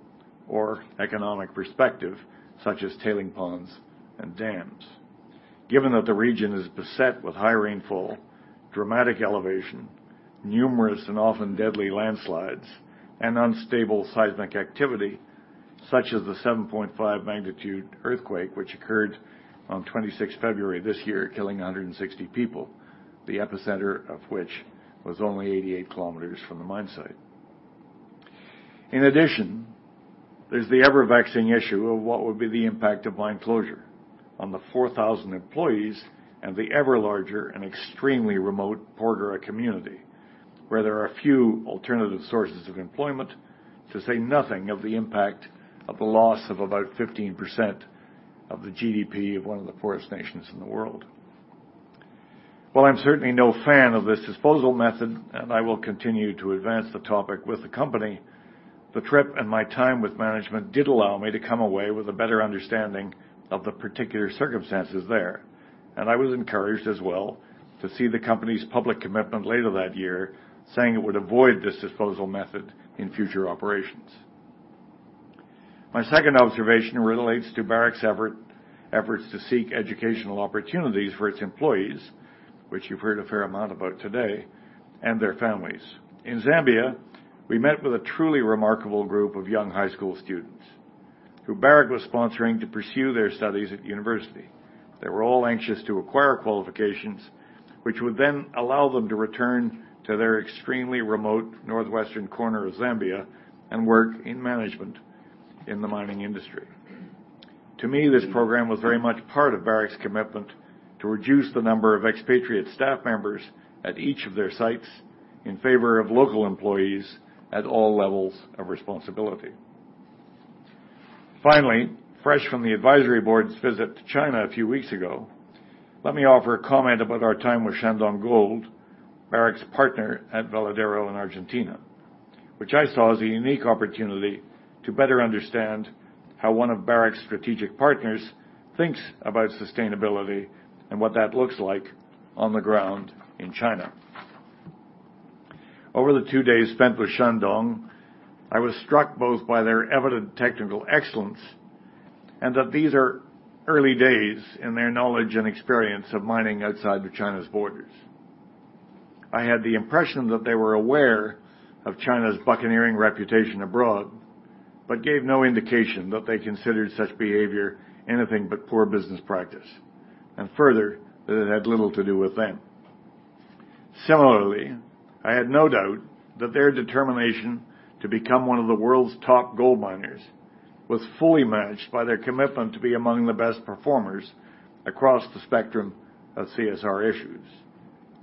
or economic perspective, such as tailings ponds and dams, given that the region is beset with high rainfall, dramatic elevation, numerous and often deadly landslides, and unstable seismic activity, such as the 7.5 magnitude earthquake, which occurred on 26 February this year, killing 160 people, the epicenter of which was only 88 km from the mine site. There's the ever-vexing issue of what would be the impact of mine closure on the 4,000 employees and the ever larger and extremely remote Porgera community, where there are few alternative sources of employment, to say nothing of the impact of the loss of about 15% of the GDP of one of the poorest nations in the world. While I'm certainly no fan of this disposal method, I will continue to advance the topic with the company, the trip and my time with management did allow me to come away with a better understanding of the particular circumstances there, I was encouraged as well to see the company's public commitment later that year saying it would avoid this disposal method in future operations. My second observation relates to Barrick's efforts to seek educational opportunities for its employees, which you've heard a fair amount about today, and their families. In Zambia, we met with a truly remarkable group of young high school students who Barrick was sponsoring to pursue their studies at university. They were all anxious to acquire qualifications, which would then allow them to return to their extremely remote northwestern corner of Zambia and work in management in the mining industry. To me, this program was very much part of Barrick's commitment to reduce the number of expatriate staff members at each of their sites in favor of local employees at all levels of responsibility. Fresh from the advisory board's visit to China a few weeks ago, let me offer a comment about our time with Shandong Gold, Barrick's partner at Veladero in Argentina, which I saw as a unique opportunity to better understand how one of Barrick's strategic partners thinks about sustainability and what that looks like on the ground in China. Over the two days spent with Shandong, I was struck both by their evident technical excellence and that these are early days in their knowledge and experience of mining outside of China's borders. I had the impression that they were aware of China's buccaneering reputation abroad, gave no indication that they considered such behavior anything but poor business practice, and further, that it had little to do with them. Similarly, I had no doubt that their determination to become one of the world's top gold miners was fully matched by their commitment to be among the best performers across the spectrum of CSR issues.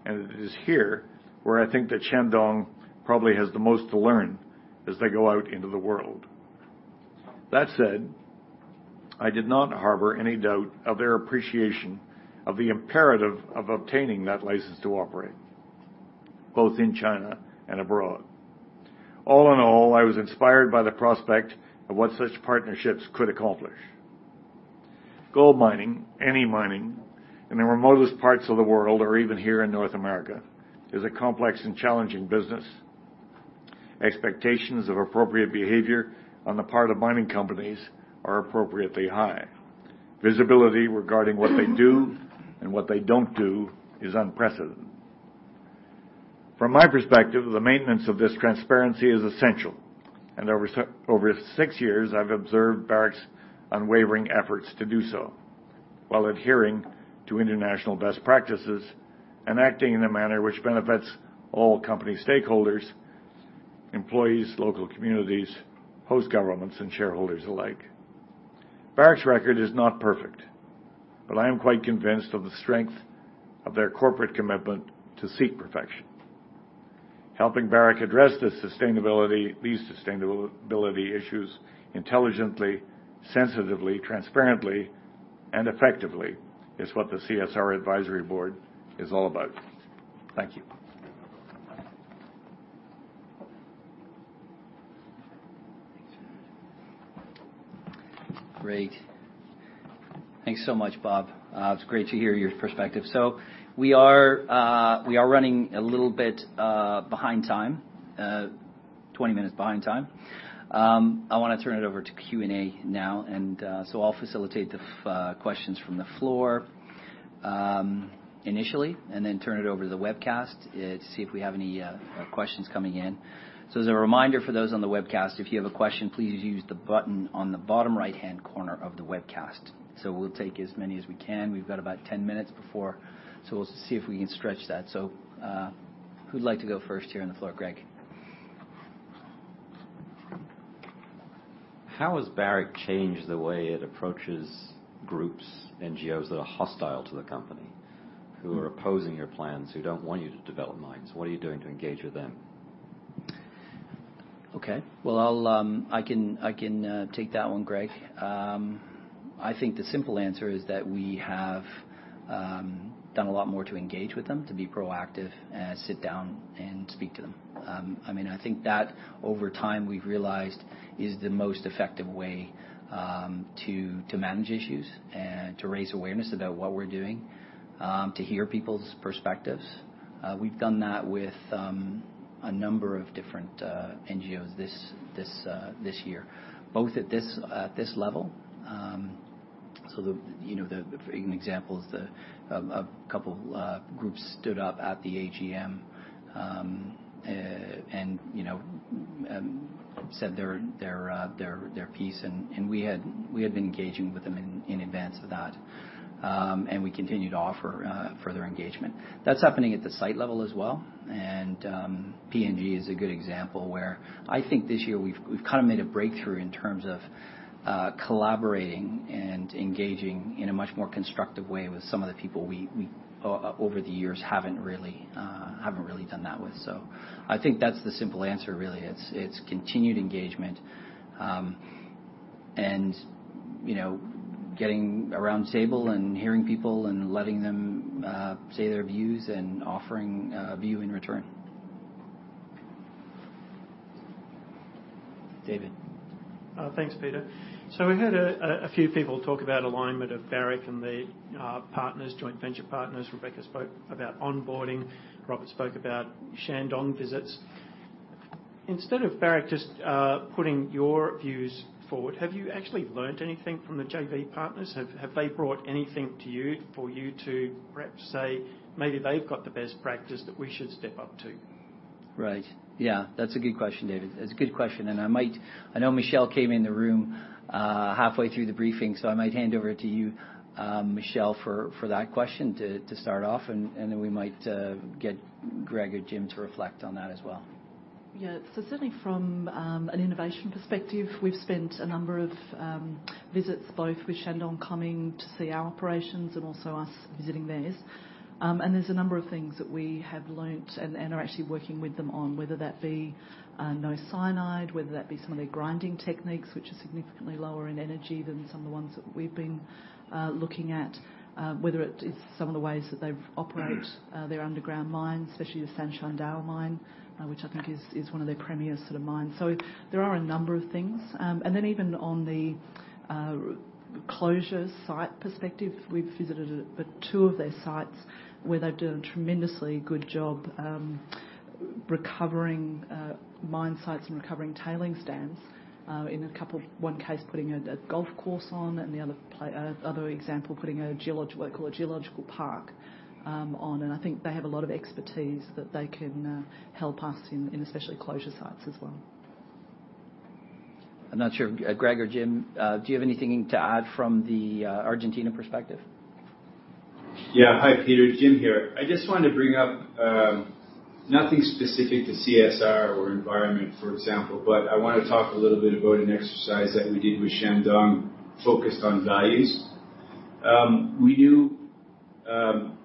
It is here where I think that Shandong probably has the most to learn as they go out into the world. That said, I did not harbor any doubt of their appreciation of the imperative of obtaining that license to operate, both in China and abroad. All in all, I was inspired by the prospect of what such partnerships could accomplish. Gold mining, any mining, in the remotest parts of the world or even here in North America, is a complex and challenging business. Expectations of appropriate behavior on the part of mining companies are appropriately high. Visibility regarding what they do and what they don't do is unprecedented. From my perspective, the maintenance of this transparency is essential, and over six years, I've observed Barrick's unwavering efforts to do so while adhering to international best practices and acting in a manner which benefits all company stakeholders, employees, local communities, host governments, and shareholders alike. Barrick's record is not perfect, I am quite convinced of the strength of their corporate commitment to seek perfection. Helping Barrick address these sustainability issues intelligently, sensitively, transparently, and effectively is what the CSR Advisory Board is all about. Thank you. Great. Thanks so much, Bob. It's great to hear your perspective. We are running a little bit behind time, 20 minutes behind time. I want to turn it over to Q&A now. I'll facilitate the questions from the floor initially, and then turn it over to the webcast to see if we have any questions coming in. As a reminder for those on the webcast, if you have a question, please use the button on the bottom right-hand corner of the webcast. We'll take as many as we can. We've got about 10 minutes, we'll see if we can stretch that. Who'd like to go first here on the floor? Greg. How has Barrick changed the way it approaches groups, NGOs, that are hostile to the company, who are opposing your plans, who don't want you to develop mines? What are you doing to engage with them? Okay. Well, I can take that one, Greg. I think the simple answer is that we have done a lot more to engage with them, to be proactive, and sit down and speak to them. I think that over time we've realized is the most effective way to manage issues and to raise awareness about what we're doing, to hear people's perspectives. We've done that with a number of different NGOs this year, both at this level. An example is a couple groups stood up at the AGM and said their piece, and we had been engaging with them in advance of that. We continued to offer further engagement. That's happening at the site level as well. PNG is a good example where I think this year we've kind of made a breakthrough in terms of collaborating and engaging in a much more constructive way with some of the people we, over the years, haven't really done that with. I think that's the simple answer, really. It's continued engagement, getting around the table and hearing people and letting them say their views and offering a view in return. David. Thanks, Peter. We heard a few people talk about alignment of Barrick and their joint venture partners. Rebecca spoke about onboarding. Robert spoke about Shandong visits. Instead of Barrick just putting your views forward, have you actually learned anything from the JV partners? Have they brought anything to you for you to perhaps say, maybe they've got the best practice that we should step up to? Right. Yeah, that's a good question, David. That's a good question. I know Michelle came in the room halfway through the briefing, I might hand over to you, Michelle, for that question to start off. We might get Greg or Jim to reflect on that as well. Certainly from an innovation perspective, we've spent a number of visits, both with Shandong coming to see our operations and also us visiting theirs. There's a number of things that we have learned and are actually working with them on, whether that be no cyanide, whether that be some of their grinding techniques, which are significantly lower in energy than some of the ones that we've been looking at. Whether it is some of the ways that they've operated their underground mines, especially the Sanshandao mine, which I think is one of their premier mines. There are a number of things. Even on the closure site perspective, we've visited two of their sites where they've done a tremendously good job recovering mine sites and recovering tailings ponds. In one case, putting a golf course on, the other example, putting what they call a geological park on. I think they have a lot of expertise that they can help us in, especially closure sites as well. I'm not sure, Greg or Jim, do you have anything to add from the Argentina perspective? Hi, Peter. Jim here. I just wanted to bring up, nothing specific to CSR or environment, for example, but I want to talk a little bit about an exercise that we did with Shandong focused on values.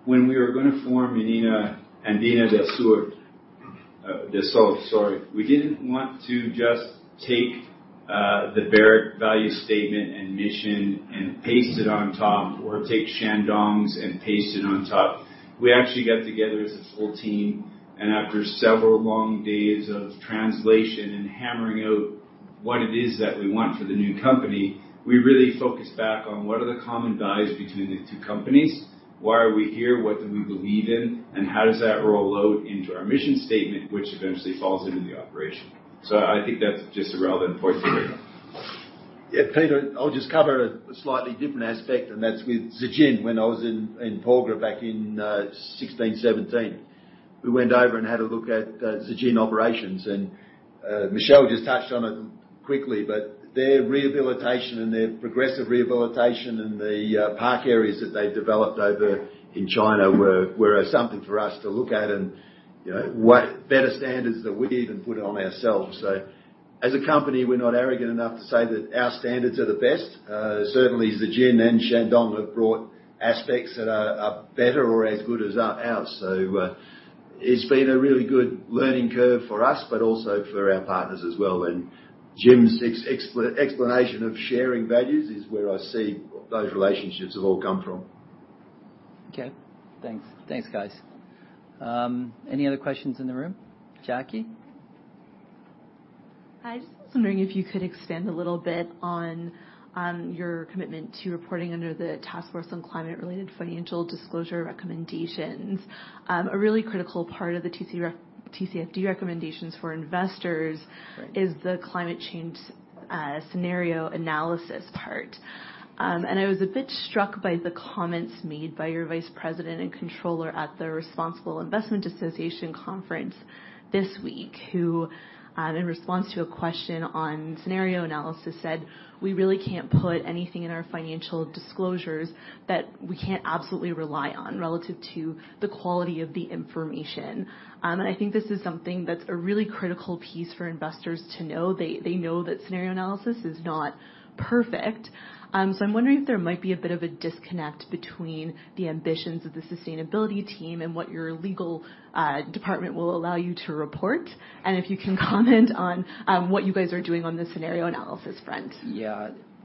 When we were going to form Minera Andina del Sol, we didn't want to just take the Barrick value statement and mission and paste it on top or take Shandong's and paste it on top. We actually got together as a full team, and after several long days of translation and hammering out what it is that we want for the new company, we really focused back on what are the common values between the two companies. Why are we here, what do we believe in, and how does that roll out into our mission statement, which eventually falls into the operation. I think that's just a relevant point to make. Yeah, Peter, I'll just cover a slightly different aspect, and that's with Zijin when I was in Porgera back in 2016, 2017. We went over and had a look at Zijin operations, and Michelle just touched on it quickly, but their rehabilitation and their progressive rehabilitation and the park areas that they've developed over in China were something for us to look at and better standards than we even put on ourselves. As a company, we're not arrogant enough to say that our standards are the best. Certainly, Zijin and Shandong have brought aspects that are better or as good as ours. It's been a really good learning curve for us, but also for our partners as well. Jim's explanation of sharing values is where I see those relationships have all come from. Okay, thanks. Thanks, guys. Any other questions in the room? Jackie? Hi, just was wondering if you could expand a little bit on your commitment to reporting under the Task Force on Climate-related Financial Disclosures recommendations. A really critical part of the TCFD recommendations for investors. Right. is the climate change scenario analysis part. I was a bit struck by the comments made by your vice president and controller at the Responsible Investment Association conference this week, who, in response to a question on scenario analysis, said, "We really can't put anything in our financial disclosures that we can't absolutely rely on relative to the quality of the information." I think this is something that's a really critical piece for investors to know. They know that scenario analysis is not perfect. I'm wondering if there might be a bit of a disconnect between the ambitions of the sustainability team and what your legal department will allow you to report. If you can comment on what you guys are doing on the scenario analysis front.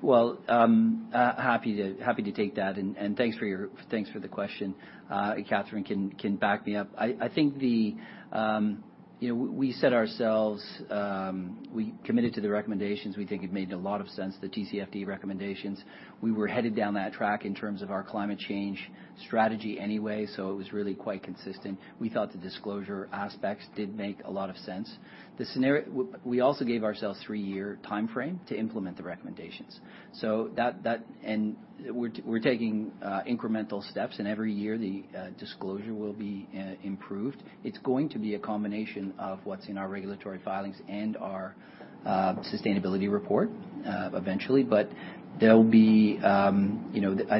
Well, happy to take that, and thanks for the question. Catherine can back me up. We committed to the recommendations. We think it made a lot of sense, the TCFD recommendations. We were headed down that track in terms of our climate change strategy anyway, so it was really quite consistent. We thought the disclosure aspects did make a lot of sense. We also gave ourselves a three-year timeframe to implement the recommendations. We're taking incremental steps, and every year the disclosure will be improved. It's going to be a combination of what's in our regulatory filings and our sustainability report, eventually. I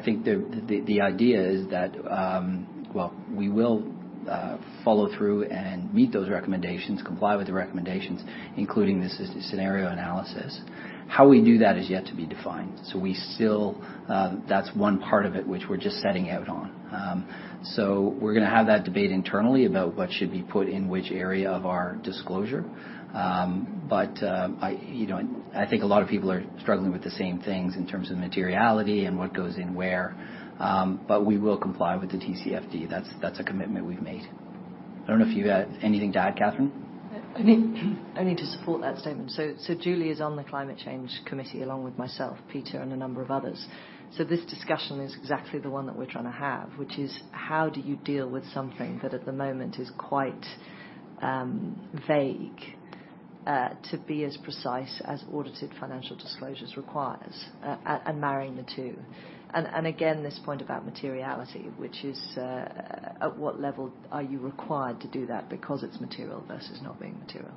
think the idea is that we will follow through and meet those recommendations, comply with the recommendations, including the scenario analysis. How we do that is yet to be defined. That's one part of it which we're just setting out on. We're going to have that debate internally about what should be put in which area of our disclosure. I think a lot of people are struggling with the same things in terms of materiality and what goes in where. We will comply with the TCFD. That's a commitment we've made. I don't know if you've got anything to add, Catherine? Only to support that statement. Julie is on the Climate Change Committee, along with myself, Peter, and a number of others. This discussion is exactly the one that we're trying to have, which is how do you deal with something that at the moment is quite vague To be as precise as audited financial disclosures requires and marrying the two. Again, this point about materiality, which is at what level are you required to do that because it's material versus not being material.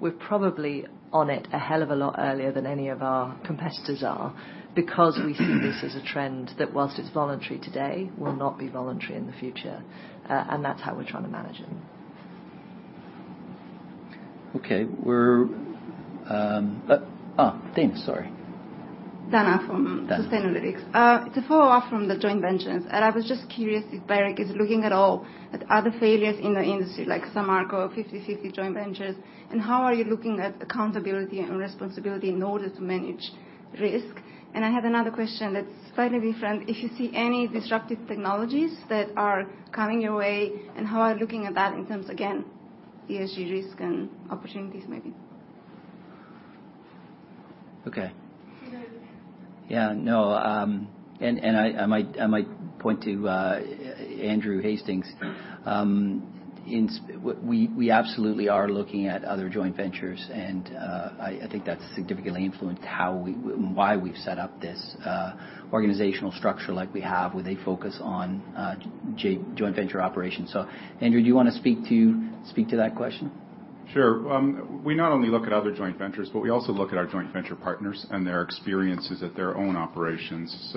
We're probably on it a hell of a lot earlier than any of our competitors are because we see this as a trend that whilst it's voluntary today, will not be voluntary in the future. That's how we're trying to manage it. Okay. We're Dana, sorry. Dana from Sustainalytics. To follow off from the joint ventures, I was just curious if Barrick is looking at all at other failures in the industry like Samarco 50/50 joint ventures, and how are you looking at accountability and responsibility in order to manage risk? I have another question that's slightly different. If you see any disruptive technologies that are coming your way, and how are you looking at that in terms, again, ESG risk and opportunities maybe? Okay. Either of you. No. I might point to Andrew Hastings. We absolutely are looking at other joint ventures, and I think that's significantly influenced why we've set up this organizational structure like we have with a focus on joint venture operations. Andrew, do you want to speak to that question? Sure. We not only look at other joint ventures, but we also look at our joint venture partners and their experiences at their own operations.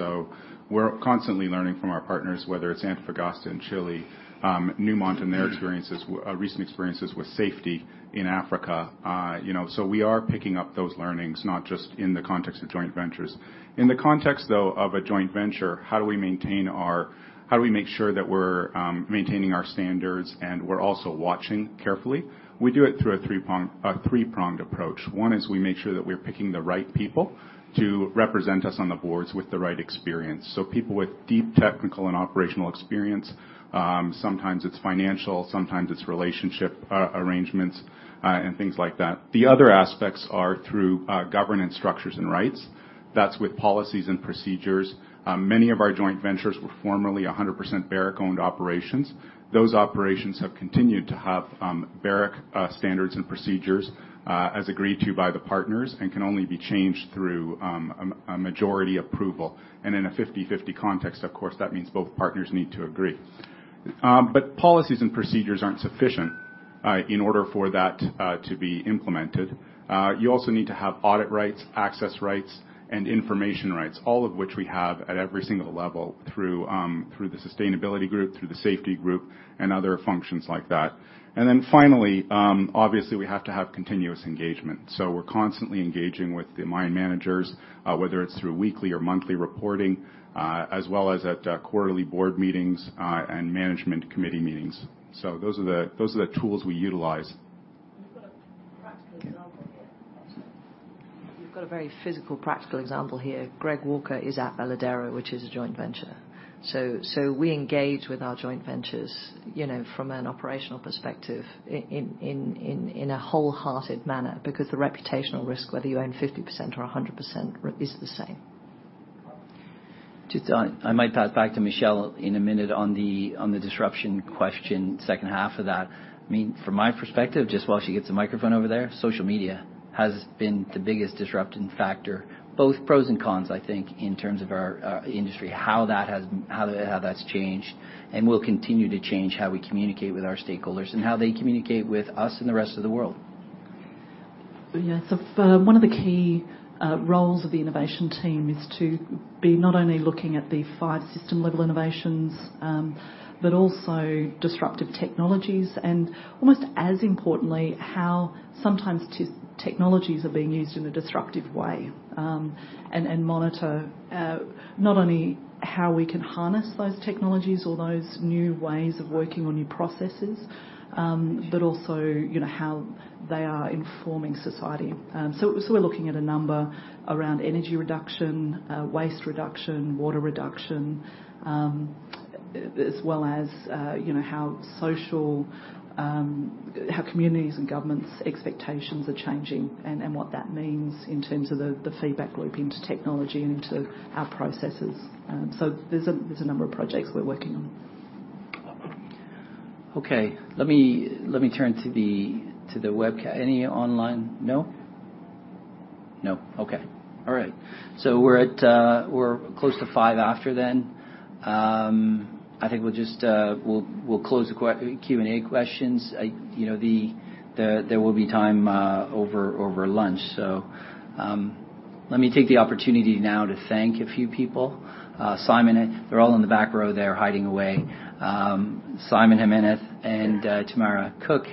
We're constantly learning from our partners, whether it's Antofagasta in Chile, Newmont and their recent experiences with safety in Africa. We are picking up those learnings, not just in the context of joint ventures. In the context, though, of a joint venture, how do we make sure that we're maintaining our standards and we're also watching carefully? We do it through a three-pronged approach. One is we make sure that we're picking the right people to represent us on the boards with the right experience. People with deep technical and operational experience. Sometimes it's financial, sometimes it's relationship arrangements, and things like that. The other aspects are through governance structures and rights. That's with policies and procedures. Many of our joint ventures were formerly 100% Barrick-owned operations. Those operations have continued to have Barrick standards and procedures as agreed to by the partners and can only be changed through a majority approval. In a 50/50 context, of course, that means both partners need to agree. Policies and procedures aren't sufficient in order for that to be implemented. You also need to have audit rights, access rights, and information rights, all of which we have at every single level through the sustainability group, through the safety group, and other functions like that. Finally, obviously, we have to have continuous engagement. We're constantly engaging with the mine managers, whether it's through weekly or monthly reporting, as well as at quarterly board meetings and management committee meetings. Those are the tools we utilize. We've got a practical example here. We've got a very physical, practical example here. Greg Walker is at Veladero, which is a joint venture. We engage with our joint ventures from an operational perspective in a wholehearted manner because the reputational risk, whether you own 50% or 100%, is the same. I might pass back to Michelle in a minute on the disruption question, second half of that. From my perspective, just while she gets a microphone over there, social media has been the biggest disrupting factor, both pros and cons, I think, in terms of our industry, how that's changed, and will continue to change how we communicate with our stakeholders and how they communicate with us and the rest of the world. Yeah. One of the key roles of the innovation team is to be not only looking at the five system-level innovations, but also disruptive technologies and almost as importantly, how sometimes technologies are being used in a disruptive way. Monitor not only how we can harness those technologies or those new ways of working on new processes, but also how they are informing society. We're looking at a number around energy reduction, waste reduction, water reduction, as well as how communities and governments' expectations are changing and what that means in terms of the feedback loop into technology and into our processes. There's a number of projects we're working on. Okay. Let me turn to the webcam. Any online? No? No. Okay. All right. We're close to five after then. I think we'll close the Q&A questions. There will be time over lunch. Let me take the opportunity now to thank a few people. They're all in the back row there hiding away. Simon Jimenez and Tamara Cook,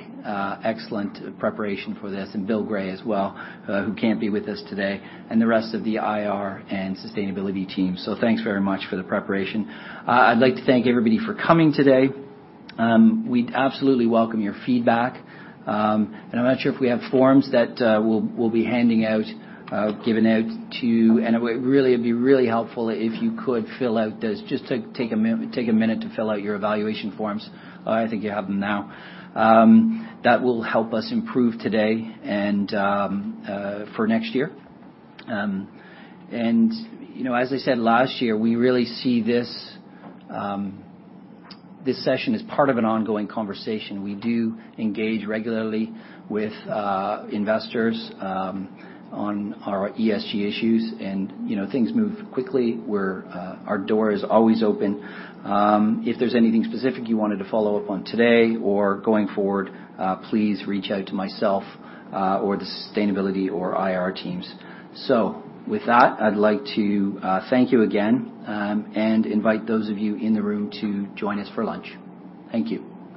excellent preparation for this, and Bill Gray as well who can't be with us today, and the rest of the IR and sustainability team. Thanks very much for the preparation. I'd like to thank everybody for coming today. We absolutely welcome your feedback. I'm not sure if we have forms that we'll be handing out, given out to you, and it would be really helpful if you could fill out those. Just take a minute to fill out your evaluation forms. I think you have them now. That will help us improve today and for next year. As I said last year, we really see this session as part of an ongoing conversation. We do engage regularly with investors on our ESG issues and things move quickly, our door is always open. If there's anything specific you wanted to follow up on today or going forward, please reach out to myself or the sustainability or IR teams. With that, I'd like to thank you again and invite those of you in the room to join us for lunch. Thank you.